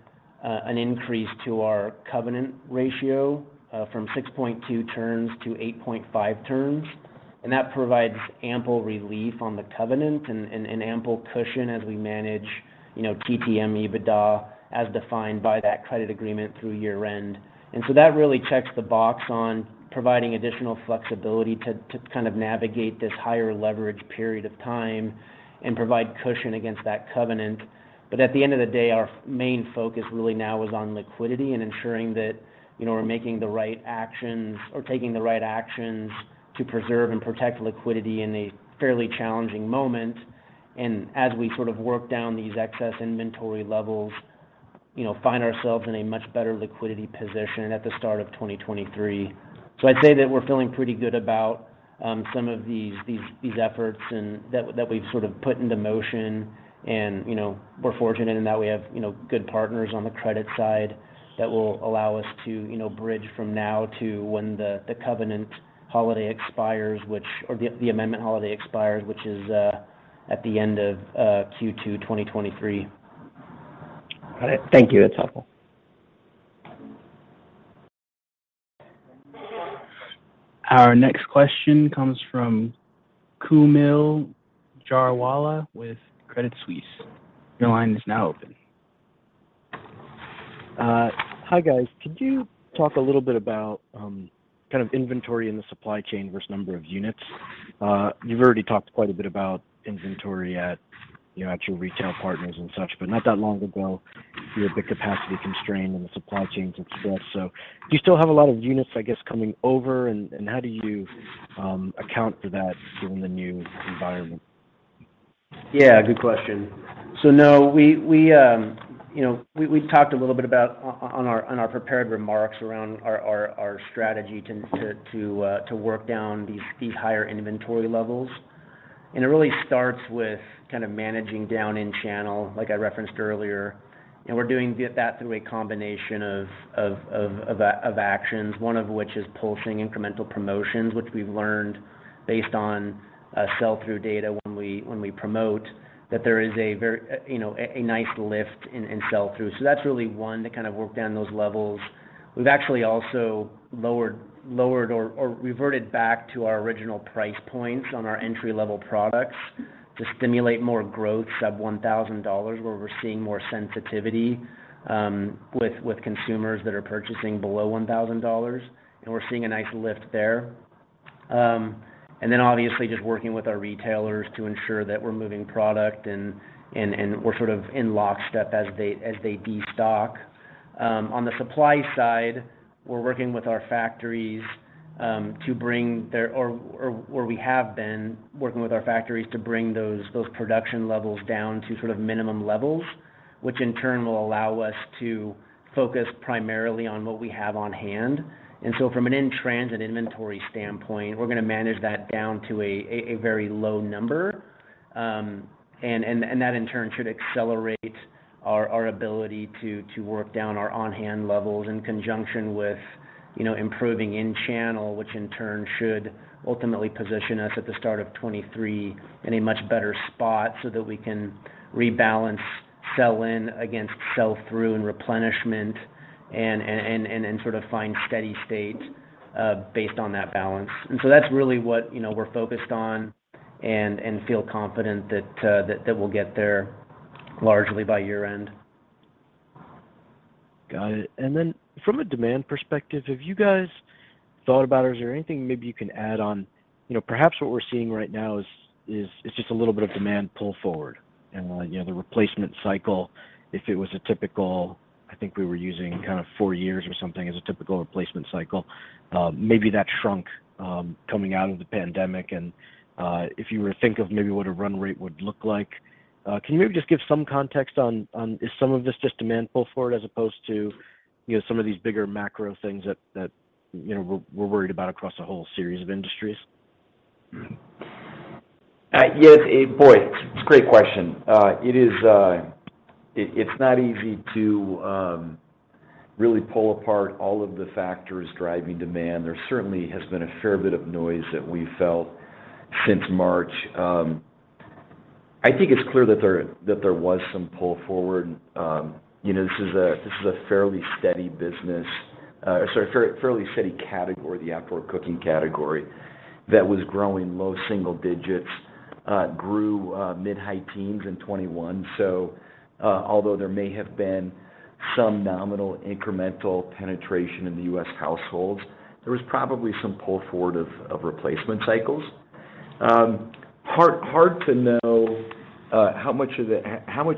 an increase to our covenant ratio from 6.2x turns to 8.5x turns. That provides ample relief on the covenant and ample cushion as we manage, you know, TTM EBITDA as defined by that Credit Agreement through year-end. That really checks the box on providing additional flexibility to kind of navigate this higher leverage period of time and provide cushion against that covenant. At the end of the day, our main focus really now is on liquidity and ensuring that, you know, we're making the right actions or taking the right actions to preserve and protect liquidity in a fairly challenging moment. As we sort of work down these excess inventory levels, you know, find ourselves in a much better liquidity position at the start of 2023. I'd say that we're feeling pretty good about some of these efforts and that we've sort of put into motion. You know, we're fortunate in that we have, you know, good partners on the credit side that will allow us to, you know, bridge from now to when the covenant holiday expires, or the Amendment holiday expires, which is at the end of Q2 2023. All right. Thank you. That's helpful. Our next question comes from Kaumil Gajrawala with Credit Suisse. Your line is now open. Hi guys. Could you talk a little bit about kind of inventory in the supply chain versus number of units? You've already talked quite a bit about inventory at, you know, at your retail partners and such, but not that long ago, you had the capacity constraint and the supply chains et cetera. Do you still have a lot of units, I guess, coming over and how do you account for that given the new environment? Yeah, good question. So no, we, you know, we talked a little bit about on our prepared remarks around our strategy to work down these higher inventory levels. It really starts with kind of managing down in-channel, like I referenced earlier. We're doing that through a combination of actions, one of which is pulsing incremental promotions, which we've learned based on sell-through data when we promote that there is a very, you know, a nice lift in sell-through. That's really one to kind of work down those levels. We've actually also lowered or reverted back to our original price points on our entry-level products to stimulate more growth sub $1,000, where we're seeing more sensitivity with consumers that are purchasing below $1,000, and we're seeing a nice lift there. Obviously just working with our retailers to ensure that we're moving product and we're sort of in lockstep as they destock. On the supply side, we have been working with our factories to bring those production levels down to sort of minimum levels, which in turn will allow us to focus primarily on what we have on hand. From an in-transit inventory standpoint, we're gonna manage that down to a very low number. That in turn should accelerate our ability to work down our on-hand inventory levels in conjunction with, you know, improving in-channel, which in turn should ultimately position us at the start of 2023 in a much better spot so that we can rebalance sell-in against sell-through and replenishment and sort of find steady state based on that balance. That's really what, you know, we're focused on and feel confident that we'll get there largely by year-end. Got it. From a demand perspective, have you guys thought about or is there anything maybe you can add on. You know, perhaps what we're seeing right now is just a little bit of demand pull forward and, you know, the replacement cycle, if it was a typical, I think we were using kind of four years or something as a typical replacement cycle, maybe that shrunk coming out of the pandemic and if you were to think of maybe what a run rate would look like. Can you maybe just give some context on is some of this just demand pull forward as opposed to, you know, some of these bigger macro things that, you know, we're worried about across a whole series of industries? Yes. Boy, it's a great question. It is not easy to really pull apart all of the factors driving demand. There certainly has been a fair bit of noise that we've felt since March. I think it's clear that there was some pull forward. You know, this is a fairly steady category, the outdoor cooking category, that was growing low single digits, grew mid high teens in 2021. Although there may have been some nominal incremental penetration in the U.S. households, there was probably some pull forward of replacement cycles. Hard to know how much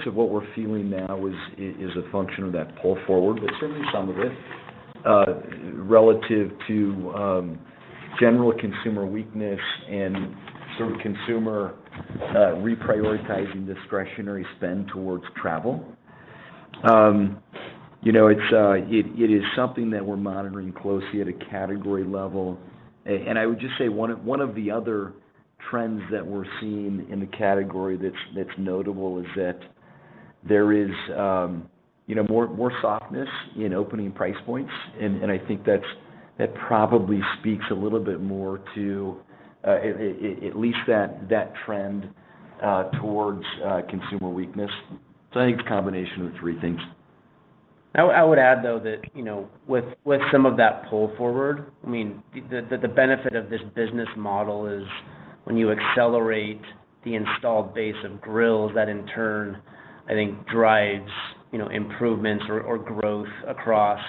of what we're feeling now is a function of that pull forward, but certainly some of it, relative to general consumer weakness and sort of consumer reprioritizing discretionary spend towards travel. You know, it is something that we're monitoring closely at a category level. I would just say one of the other trends that we're seeing in the category that's notable is that there is, you know, more softness in opening price points. I think that probably speaks a little bit more to at least that trend towards consumer weakness. I think it's a combination of the three things. I would add though that, you know, with some of that pull forward, I mean, the benefit of this business model is when you accelerate the installed base of grills, that in turn, I think drives, you know, improvements or growth across,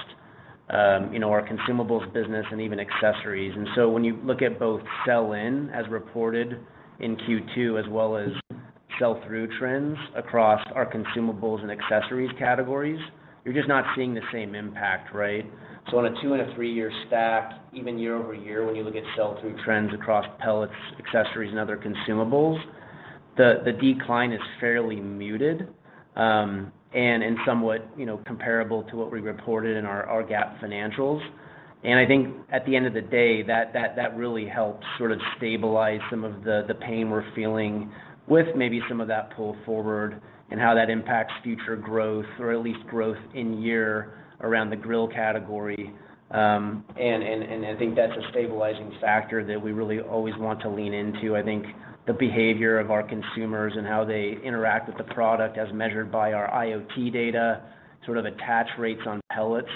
you know, our consumables business and even accessories. When you look at both sell-in as reported in Q2 as well as sell-through trends across our consumables and accessories categories, you're just not seeing the same impact, right? On a two- and a three-year stack, even year-over-year when you look at sell-through trends across pellets, accessories and other consumables, the decline is fairly muted, and somewhat, you know, comparable to what we reported in our GAAP financials. I think at the end of the day, that really helps sort of stabilize some of the pain we're feeling with maybe some of that pull forward and how that impacts future growth or at least growth in year around the grill category. I think that's a stabilizing factor that we really always want to lean into. I think the behavior of our consumers and how they interact with the product as measured by our IoT data sort of attach rates on pellets,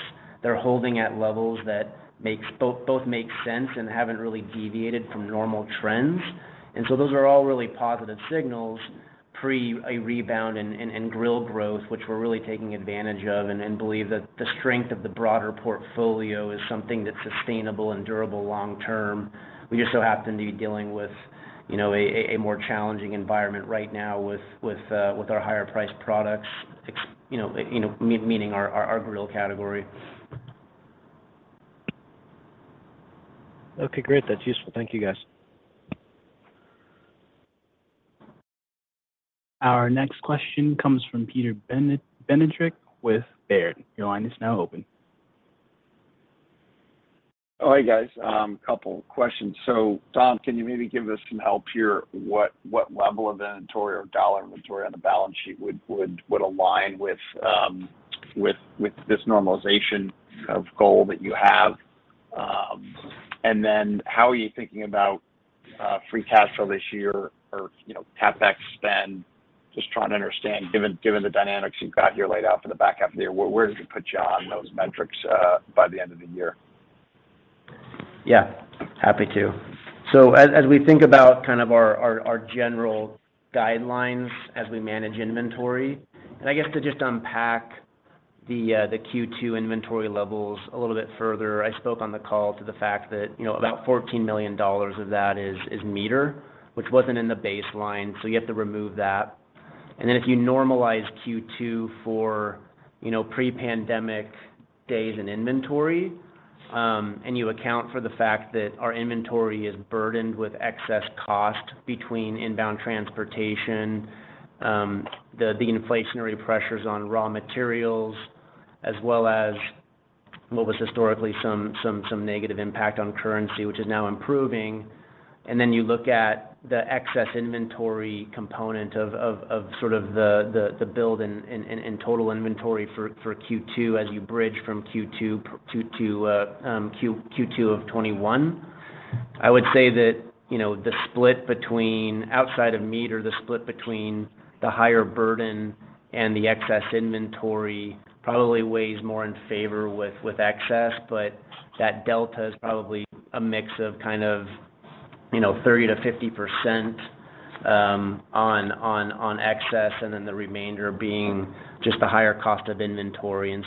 they're holding at levels that both make sense and haven't really deviated from normal trends. Those are all really positive signals pre a rebound in grill growth, which we're really taking advantage of and believe that the strength of the broader portfolio is something that's sustainable and durable long term. We just so happen to be dealing with, you know, a more challenging environment right now with our higher priced products, you know, meaning our grill category. Okay, great. That's useful. Thank you, guys. Our next question comes from Peter Benedict with Baird. Your line is now open. Oh, hey, guys. Couple questions. Dom, can you maybe give us some help here? What level of inventory or dollar inventory on the balance sheet would align with this normalization of goal that you have? Then how are you thinking about free cash flow this year or, you know, CapEx spend? Just trying to understand given the dynamics you've got here laid out for the back half of the year, where does it put you on those metrics by the end of the year? Yeah. Happy to. As we think about kind of our general guidelines as we manage inventory, and I guess to just unpack the Q2 inventory levels a little bit further, I spoke on the call to the fact that, you know, about $14 million of that is MEATER, which wasn't in the baseline, so you have to remove that. If you normalize Q2 for, you know, pre-pandemic days and inventory, and you account for the fact that our inventory is burdened with excess cost between inbound transportation, the inflationary pressures on raw materials, as well as what was historically some negative impact on currency, which is now improving. You look at the excess inventory component of sort of the build and total inventory for Q2 as you bridge from Q2 to Q2 of 2021. I would say that, you know, the split between outside of MEATER, the split between the higher burden and the excess inventory probably weighs more in favor with excess. That delta is probably a mix of kind of, you know, 30%-50% on excess, and then the remainder being just the higher cost of inventory.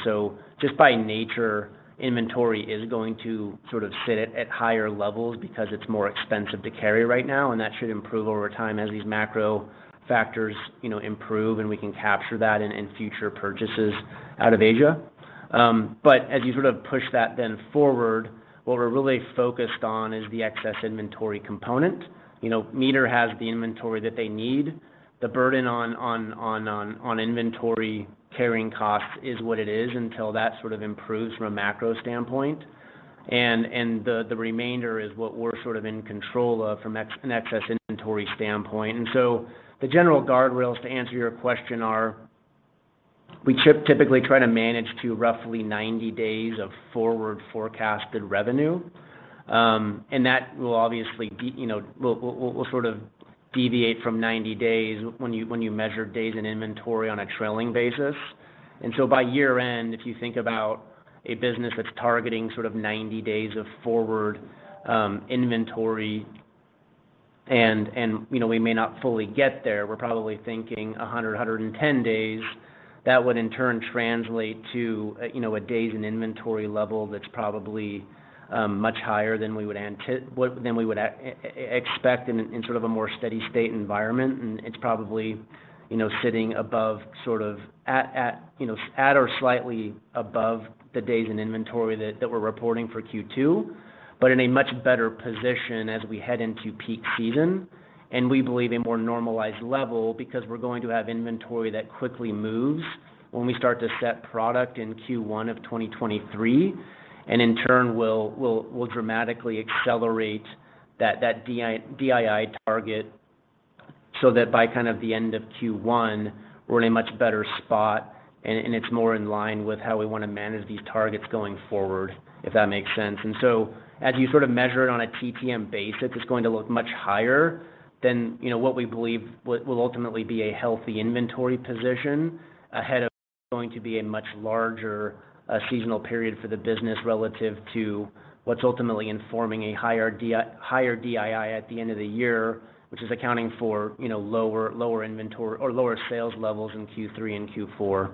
Just by nature, inventory is going to sort of sit at higher levels because it's more expensive to carry right now, and that should improve over time as these macro factors, you know, improve and we can capture that in future purchases out of Asia. As you sort of push that then forward, what we're really focused on is the excess inventory component. You know, MEATER has the inventory that they need. The burden on inventory carrying costs is what it is until that sort of improves from a macro standpoint. The remainder is what we're sort of in control of from an excess inventory standpoint. The general guardrails, to answer your question, are we typically try to manage to roughly 90 days of forward forecasted revenue. That will obviously be, you know, will sort of deviate from 90 days when you measure days in inventory on a trailing basis. By year-end, if you think about a business that's targeting sort of 90 days of forward inventory and, you know, we may not fully get there, we're probably thinking 110 days, that would in turn translate to, you know, a days in inventory level that's probably much higher than we would expect in sort of a more steady state environment. It's probably, you know, sitting above sort of at or slightly above the days in inventory that we're reporting for Q2, but in a much better position as we head into peak season. We believe a more normalized level because we're going to have inventory that quickly moves when we start to ship product in Q1 of 2023. In turn will dramatically accelerate that DII target so that by kind of the end of Q1, we're in a much better spot and it's more in line with how we wanna manage these targets going forward, if that makes sense. As you sort of measure it on a TTM basis, it's going to look much higher than, you know, what we believe will ultimately be a healthy inventory position ahead of what is going to be a much larger seasonal period for the business relative to what's ultimately informing a higher DII at the end of the year, which is accounting for, you know, lower inventory or lower sales levels in Q3 and Q4.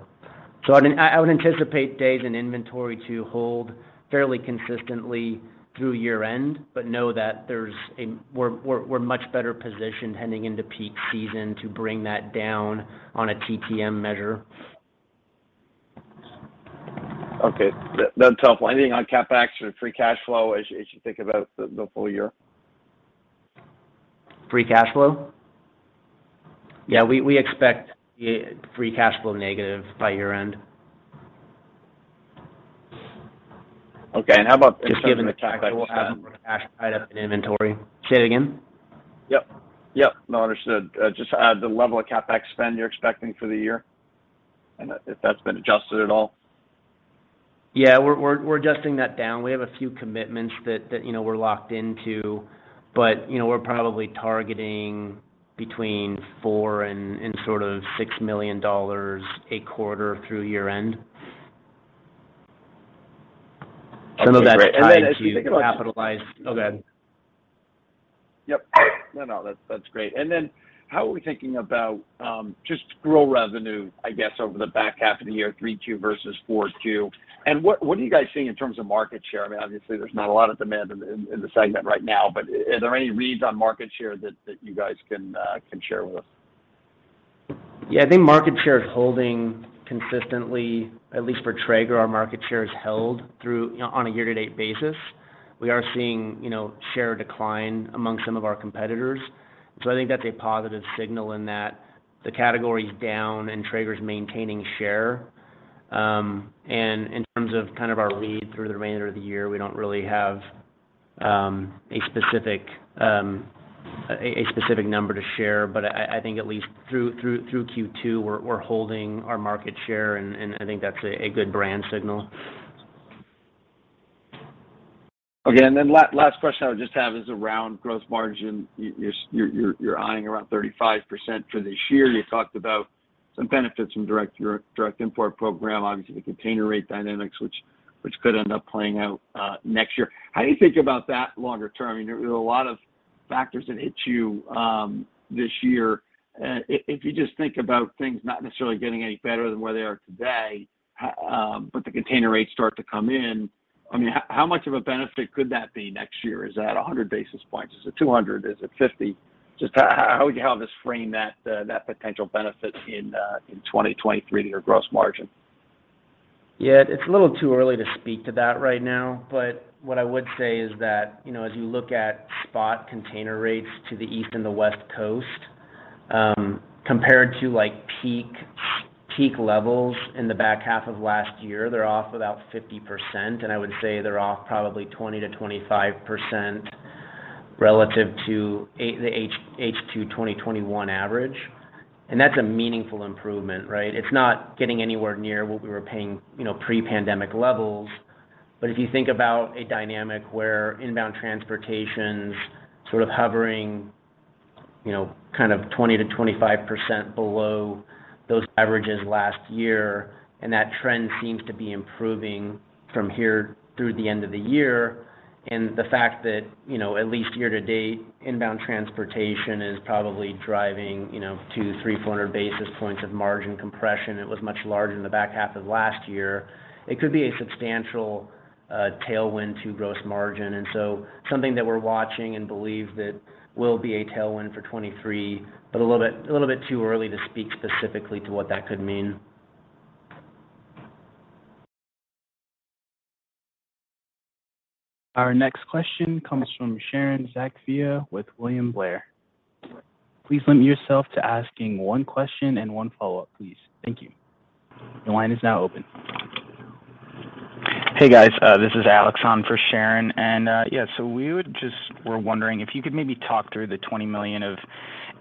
I would anticipate days and inventory to hold fairly consistently through year-end, but know that there's a... We're much better positioned heading into peak season to bring that down on a TTM measure. Okay. That's helpful. Anything on CapEx or free cash flow as you think about the full year? Free cash flow? Yeah. We expect free cash flow negative by year-end. Okay. How about just given the CapEx spend- Just given the cash tied up in inventory. Say it again? Yep. No, understood. Just the level of CapEx spend you're expecting for the year, and if that's been adjusted at all. Yeah. We're adjusting that down. We have a few commitments that, you know, we're locked into, but, you know, we're probably targeting between $4 million-$6 million a quarter through year-end. Okay, great. As you think about. Some of that's tied to capitalized. Go ahead. Yep. No, that's great. How are we thinking about just grow revenue, I guess, over the back half of the year, 3Q versus 4Q? What are you guys seeing in terms of market share? I mean, obviously there's not a lot of demand in the segment right now, but are there any reads on market share that you guys can share with us? Yeah. I think market share is holding consistently, at least for Traeger, our market share is held through, you know, on a year to date basis. We are seeing, you know, share decline among some of our competitors. I think that's a positive signal in that the category is down and Traeger's maintaining share. In terms of kind of our lead through the remainder of the year, we don't really have a specific number to share, but I think at least through Q2, we're holding our market share, and I think that's a good brand signal. Okay. Last question I would just have is around gross margin. You're eyeing around 35% for this year. You talked about some benefits from direct import program, obviously the container rate dynamics, which could end up playing out next year. How do you think about that longer term? I mean, there are a lot of factors that hit you this year. If you just think about things not necessarily getting any better than where they are today, but the container rates start to come in, I mean, how much of a benefit could that be next year? Is that 100 basis points? Is it 200? Is it 50? Just how would this frame that potential benefit in 2023 to your gross margin? Yeah. It's a little too early to speak to that right now. What I would say is that, you know, as you look at spot container rates to the East and the West Coast, compared to like peak levels in the back half of last year, they're off about 50%, and I would say they're off probably 20%-25% relative to the H2 2021 average. That's a meaningful improvement, right? It's not getting anywhere near what we were paying, you know, pre-pandemic levels. If you think about a dynamic where inbound transportation's sort of hovering, you know, kind of 20%-25% below those averages last year, and that trend seems to be improving from here through the end of the year. The fact that, you know, at least year to date, inbound transportation is probably driving, you know, 200-300 basis points of margin compression, it was much larger in the back half of last year. It could be a substantial tailwind to gross margin. Something that we're watching and believe that will be a tailwind for 2023, but a little bit too early to speak specifically to what that could mean. Our next question comes from Sharon Zackfia with William Blair. Please limit yourself to asking one question and one follow-up, please. Thank you. Your line is now open. Hey, guys. This is Alex on for Sharon. We're wondering if you could maybe talk through the $20 million of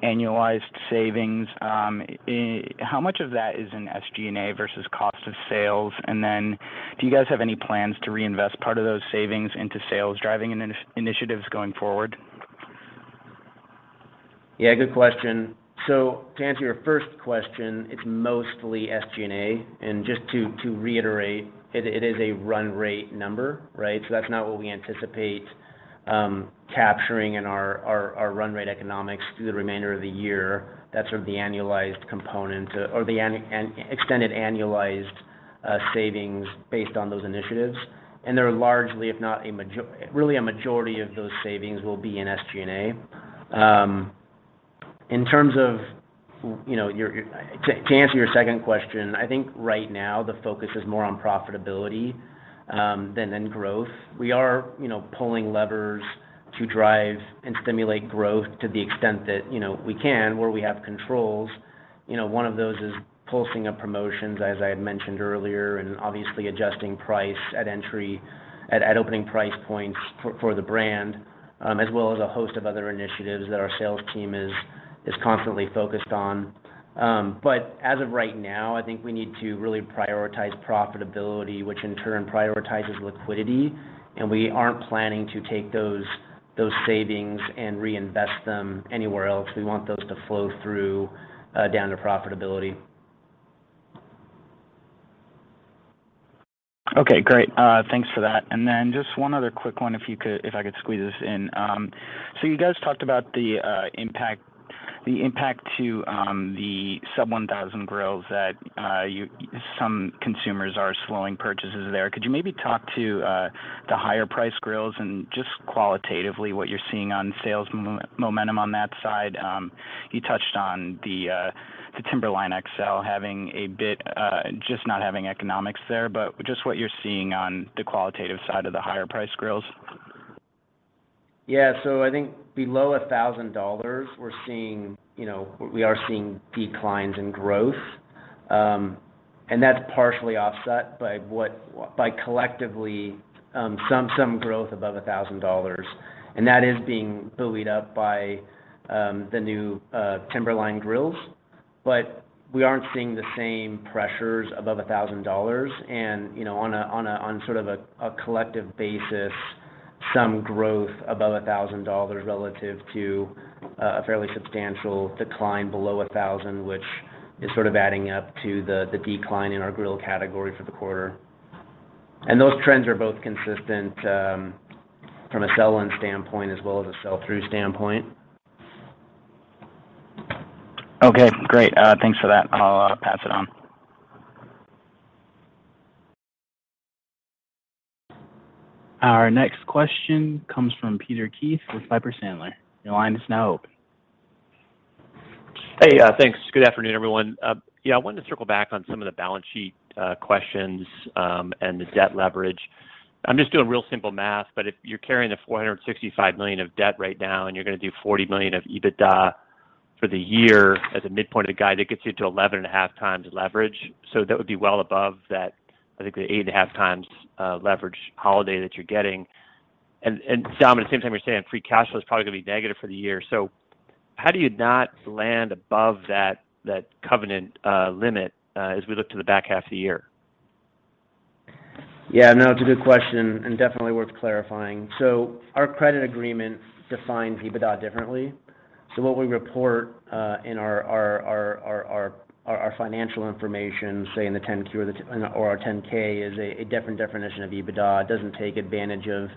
annualized savings. How much of that is in SG&A versus cost of sales? Do you guys have any plans to reinvest part of those savings into sales driving initiatives going forward? Yeah, good question. To answer your first question, it's mostly SG&A. Just to reiterate, it is a run rate number, right? That's not what we anticipate capturing in our run rate economics through the remainder of the year. That's sort of the annualized component or the extended annualized savings based on those initiatives. They're largely, if not a majority of those savings, will be in SG&A. In terms of, you know, to answer your second question, I think right now the focus is more on profitability than on growth. We are, you know, pulling levers to drive and stimulate growth to the extent that, you know, we can, where we have controls. You know, one of those is pulsing of promotions, as I had mentioned earlier, and obviously adjusting price at entry, at opening price points for the brand, as well as a host of other initiatives that our sales team is constantly focused on. As of right now, I think we need to really prioritize profitability, which in turn prioritizes liquidity, and we aren't planning to take those savings and reinvest them anywhere else. We want those to flow through, down to profitability. Okay, great. Thanks for that. Just one other quick one, if I could squeeze this in. You guys talked about the impact to the sub-$1,000 grills that some consumers are slowing purchases there. Could you maybe talk to the higher priced grills and just qualitatively what you're seeing on sales momentum on that side? You touched on the Traeger Timberline XL having a bit, just not having economics there, but just what you're seeing on the qualitative side of the higher priced grills. Yeah. I think below $1,000, we're seeing, you know, declines in growth. That's partially offset by, collectively, some growth above $1,000, and that is being buoyed up by the new Timberline grills. But we aren't seeing the same pressures above $1,000 and, you know, on sort of a collective basis, some growth above $1,000 relative to a fairly substantial decline below $1,000, which is sort of adding up to the decline in our grill category for the quarter. Those trends are both consistent from a sell-in standpoint as well as a sell-through standpoint. Okay, great. Thanks for that. I'll pass it on. Our next question comes from Peter Keith with Piper Sandler. Your line is now open. Hey, thanks. Good afternoon, everyone. Yeah, I wanted to circle back on some of the balance sheet questions and the debt leverage. I'm just doing real simple math, but if you're carrying the $465 million of debt right now and you're gonna do $40 million of EBITDA for the year as a midpoint of the guide, that gets you to 11.5x leverage. That would be well above that, I think, the 8.5x leverage holiday that you're getting. And Dom, at the same time, you're saying free cash flow is probably gonna be negative for the year. How do you not land above that covenant limit as we look to the back half of the year? Yeah, no, it's a good question and definitely worth clarifying. Our Credit Agreement defines EBITDA differently. What we report in our financial information, say in the 10-Q or our 10-K is a different definition of EBITDA. It doesn't take advantage of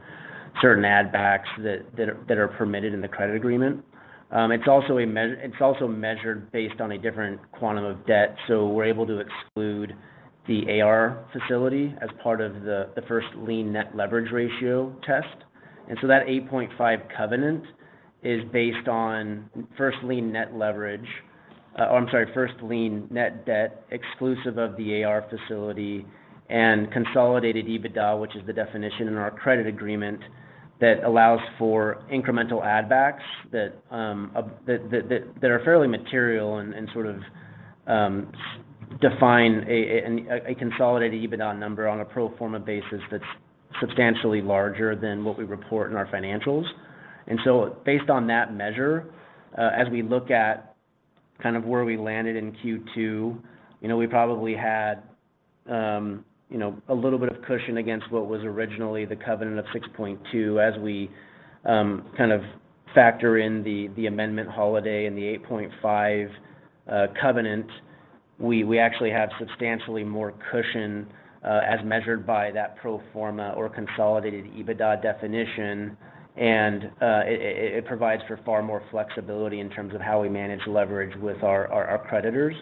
certain add backs that are permitted in the Credit Agreement. It's also measured based on a different quantum of debt. We're able to exclude the AR facility as part of the first lien net leverage ratio test. That 8.5x covenant is based on first lien net debt exclusive of the AR facility and consolidated EBITDA, which is the definition in our Credit Agreement that allows for incremental add backs that are fairly material and sort of define a consolidated EBITDA number on a pro forma basis that's substantially larger than what we report in our financials. Based on that measure, as we look at kind of where we landed in Q2, you know, we probably had, you know, a little bit of cushion against what was originally the covenant of 6.2x. As we kind of factor in the Amendment holiday and the 8.5x covenant, we actually have substantially more cushion as measured by that pro forma or consolidated EBITDA definition. It provides for far more flexibility in terms of how we manage leverage with our creditors.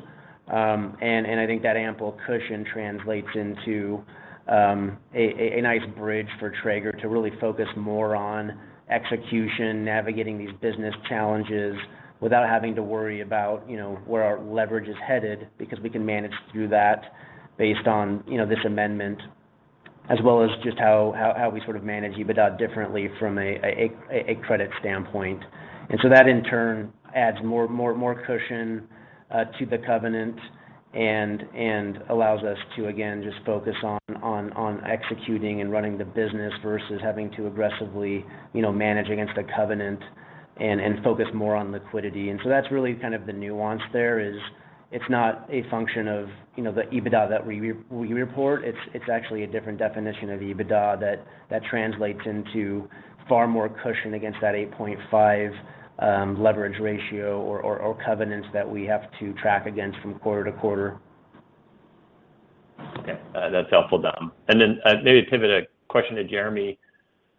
I think that ample cushion translates into a nice bridge for Traeger to really focus more on execution, navigating these business challenges without having to worry about, you know, where our leverage is headed, because we can manage through that based on, you know, this Amendment, as well as just how we sort of manage EBITDA differently from a credit standpoint. That in turn adds more cushion to the covenant and allows us to, again, just focus on executing and running the business versus having to aggressively, you know, manage against a covenant and focus more on liquidity. That's really kind of the nuance there is it's not a function of, you know, the EBITDA that we report. It's actually a different definition of EBITDA that translates into far more cushion against that 8.5x leverage ratio or covenants that we have to track against from quarter to quarter. Okay, that's helpful, Dom. Maybe to pivot a question to Jeremy.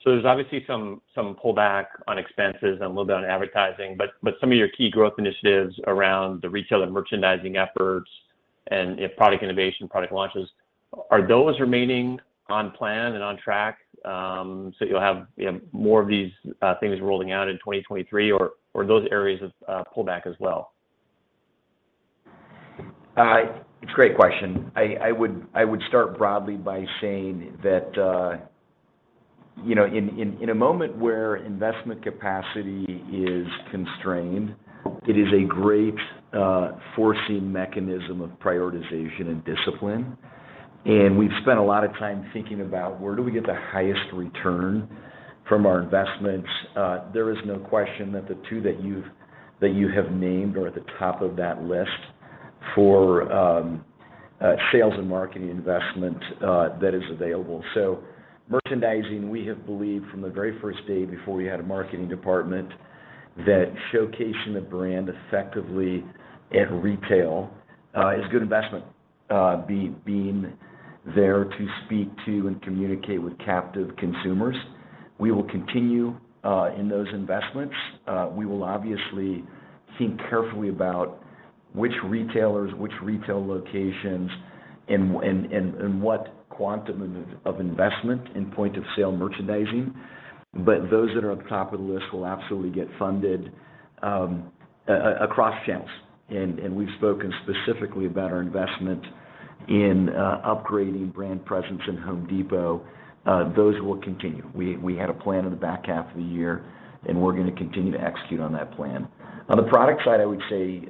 There's obviously some pullback on expenses and a little bit on advertising, but some of your key growth initiatives around the retail and merchandising efforts and product innovation, product launches, are those remaining on plan and on track, so you'll have, you know, more of these things rolling out in 2023 or those areas of pullback as well? It's a great question. I would start broadly by saying that, you know, in a moment where investment capacity is constrained, it is a great forcing mechanism of prioritization and discipline. We've spent a lot of time thinking about where do we get the highest return from our investments. There is no question that the two that you have named are at the top of that list for sales and marketing investment that is available. Merchandising, we have believed from the very first day before we had a marketing department, that showcasing the brand effectively at retail is good investment, being there to speak to and communicate with captive consumers. We will continue in those investments. We will obviously think carefully about which retailers, which retail locations, and what quantum of investment in point of sale merchandising. Those that are at the top of the list will absolutely get funded across channels. We've spoken specifically about our investment in upgrading brand presence in The Home Depot. Those will continue. We had a plan in the back half of the year, and we're gonna continue to execute on that plan. On the product side, I would say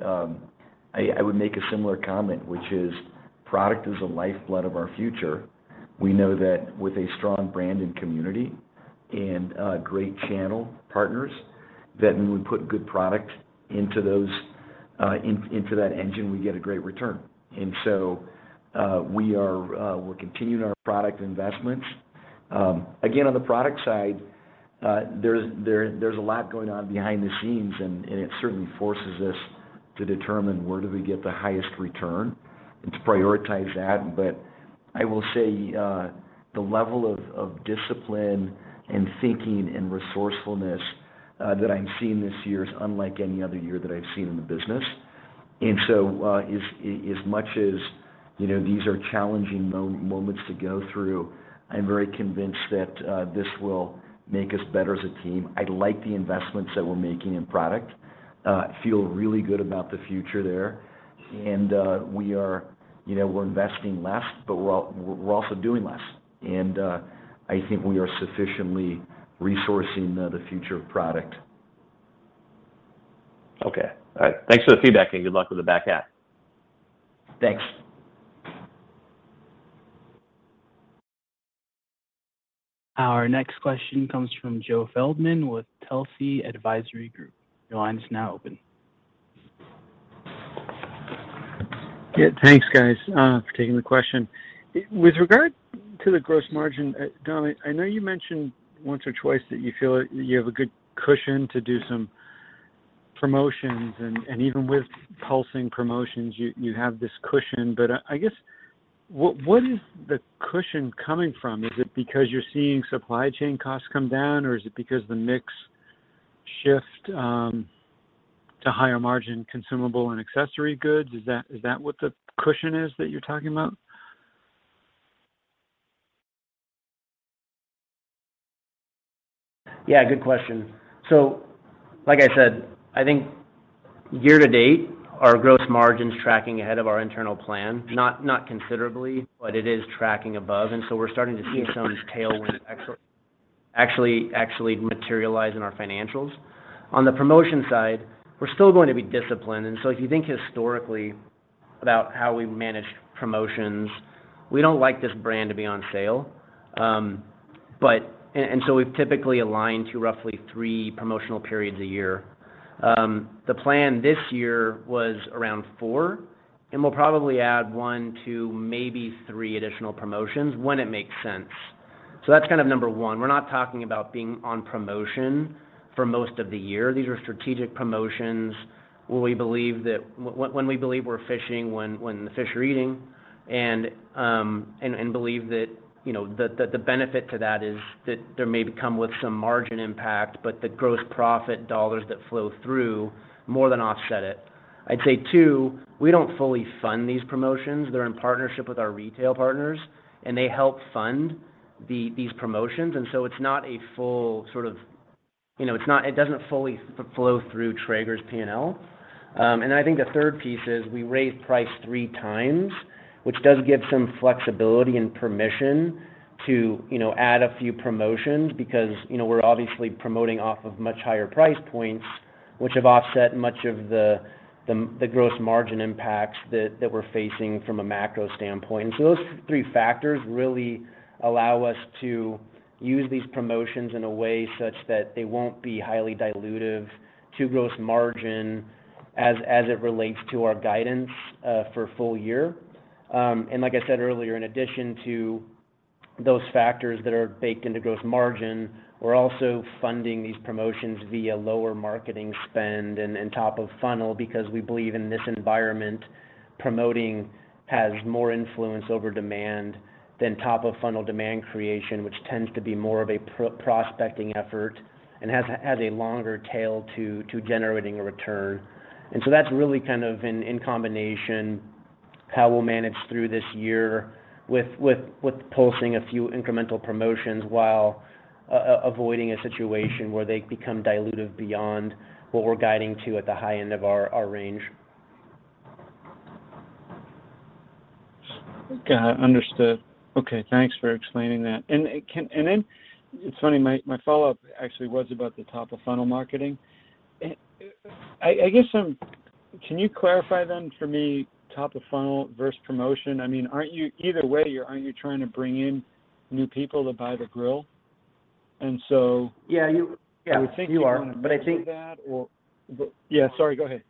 I would make a similar comment, which is product is the lifeblood of our future. We know that with a strong brand and community and great channel partners, that when we put good product into that engine, we get a great return. We're continuing our product investments. Again, on the product side, there's a lot going on behind the scenes, and it certainly forces us to determine where do we get the highest return and to prioritize that. I will say, the level of discipline and thinking and resourcefulness that I'm seeing this year is unlike any other year that I've seen in the business. As much as, you know, these are challenging moments to go through, I'm very convinced that this will make us better as a team. I like the investments that we're making in product. Feel really good about the future there. We are, you know, we're investing less, but we're also doing less. I think we are sufficiently resourcing the future of product. Okay. All right. Thanks for the feedback, and good luck with the back half. Thanks. Our next question comes from Joe Feldman with Telsey Advisory Group. Your line is now open. Yeah, thanks guys, for taking the question. With regard to the gross margin, Dom, I know you mentioned once or twice that you feel like you have a good cushion to do some promotions and even with pulsing promotions, you have this cushion. I guess what is the cushion coming from? Is it because you're seeing supply chain costs come down, or is it because the mix shift to higher margin consumable and accessory goods? Is that what the cushion is that you're talking about? Yeah, good question. Like I said, I think year to date, our gross margin's tracking ahead of our internal plan, not considerably, but it is tracking above, and we're starting to see some tailwind actually materialize in our financials. On the promotion side, we're still going to be disciplined. If you think historically about how we managed promotions, we don't like this brand to be on sale. We've typically aligned to roughly three promotional periods a year. The plan this year was around four, and we'll probably add one to maybe three additional promotions when it makes sense. That's kind of number one. We're not talking about being on promotion for most of the year. These are strategic promotions where we believe that we're fishing when the fish are eating and believe that, you know, the benefit to that is that there may come with some margin impact, but the gross profit dollars that flow through more than offset it. I'd say two, we don't fully fund these promotions. They're in partnership with our retail partners, and they help fund these promotions. It's not a full sort of, you know, it doesn't fully flow through Traeger's P&L. I think the third piece is we raise price three times, which does give some flexibility and permission to, you know, add a few promotions because, you know, we're obviously promoting off of much higher price points, which have offset much of the gross margin impacts that we're facing from a macro standpoint. Those three factors really allow us to use these promotions in a way such that they won't be highly dilutive to gross margin as it relates to our guidance for full year. Like I said earlier, in addition to those factors that are baked into gross margin, we're also funding these promotions via lower marketing spend and top-of-funnel because we believe in this environment, promoting has more influence over demand than top-of-funnel demand creation, which tends to be more of a prospecting effort and has a longer tail to generating a return. That's really kind of in combination how we'll manage through this year with pulsing a few incremental promotions while avoiding a situation where they become dilutive beyond what we're guiding to at the high end of our range. Got it. Understood. Okay. Thanks for explaining that. It's funny, my follow-up actually was about the top-of-funnel marketing. Can you clarify for me top-of-funnel versus promotion? I mean, either way, aren't you trying to bring in new people to buy the grill? Yeah, you are. I would think you want to promote that or. Yeah, sorry, go ahead.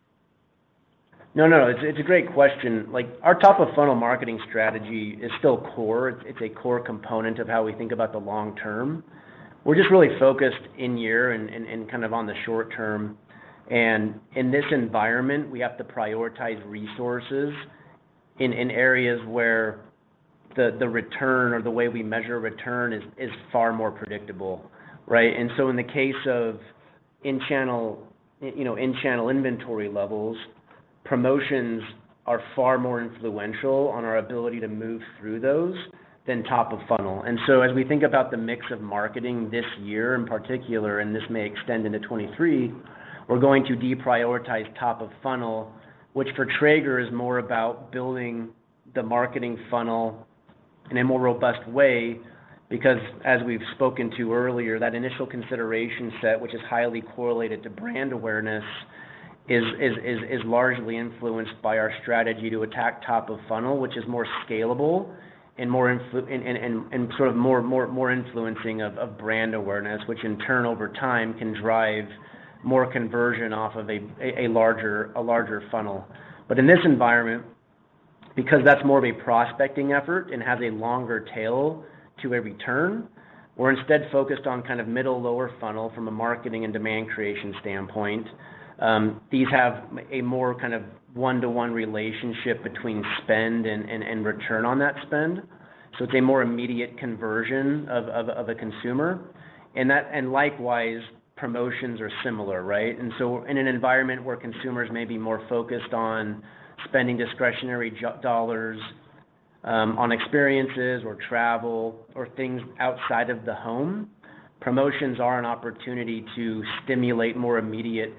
No, it's a great question. Like, our top-of-funnel marketing strategy is still core. It's a core component of how we think about the long term. We're just really focused this year and kind of on the short term. In this environment, we have to prioritize resources in areas where the return or the way we measure return is far more predictable, right? In the case of in-channel, you know, in-channel inventory levels, promotions are far more influential on our ability to move through those than top-of-funnel. As we think about the mix of marketing this year in particular, and this may extend into 2023, we're going to deprioritize top-of-funnel, which for Traeger is more about building the marketing funnel in a more robust way. Because as we've spoken to earlier, that initial consideration set, which is highly correlated to brand awareness, is largely influenced by our strategy to attack top-of-funnel, which is more scalable and sort of more influencing of brand awareness, which in turn over time can drive more conversion off of a larger funnel. In this environment, because that's more of a prospecting effort and has a longer tail to a return, we're instead focused on kind of middle lower funnel from a marketing and demand creation standpoint. These have a more kind of one-to-one relationship between spend and return on that spend. It's a more immediate conversion of a consumer. Likewise, promotions are similar, right? In an environment where consumers may be more focused on spending discretionary dollars on experiences or travel or things outside of the home, promotions are an opportunity to stimulate more immediate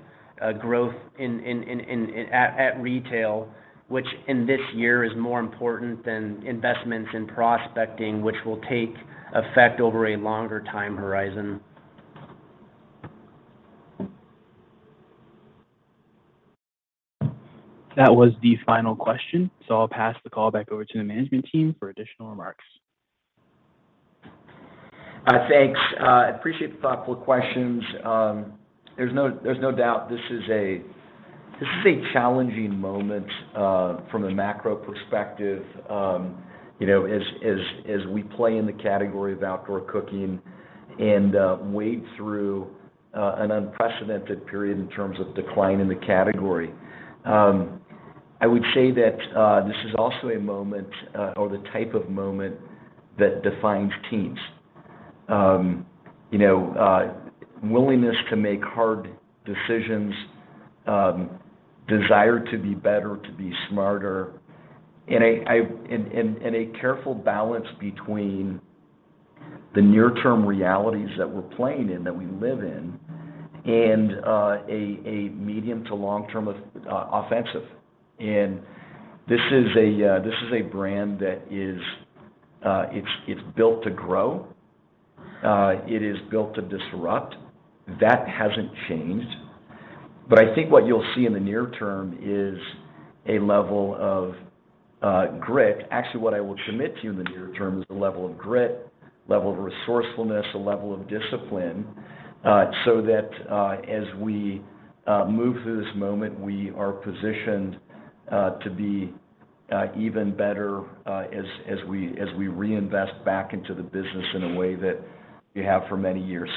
growth at retail, which in this year is more important than investments in prospecting, which will take effect over a longer time horizon. That was the final question, so I'll pass the call back over to the management team for additional remarks. Thanks. Appreciate the thoughtful questions. There's no doubt this is a challenging moment from the macro perspective. You know, as we play in the category of outdoor cooking and wade through an unprecedented period in terms of decline in the category. I would say that this is also a moment or the type of moment that defines teams. You know, willingness to make hard decisions, desire to be better, to be smarter. A careful balance between the near-term realities that we're playing in, that we live in and a medium to long-term offensive. This is a brand that is it's built to grow. It is built to disrupt. That hasn't changed. I think what you'll see in the near term is a level of grit. Actually, what I will commit to you in the near term is a level of grit, level of resourcefulness, a level of discipline, so that as we move through this moment, we are positioned to be even better as we reinvest back into the business in a way that you have for many years.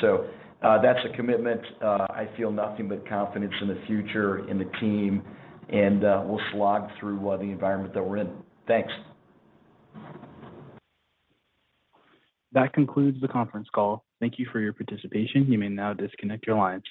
That's a commitment. I feel nothing but confidence in the future, in the team, and we'll slog through the environment that we're in. Thanks. That concludes the conference call. Thank you for your participation. You may now disconnect your lines.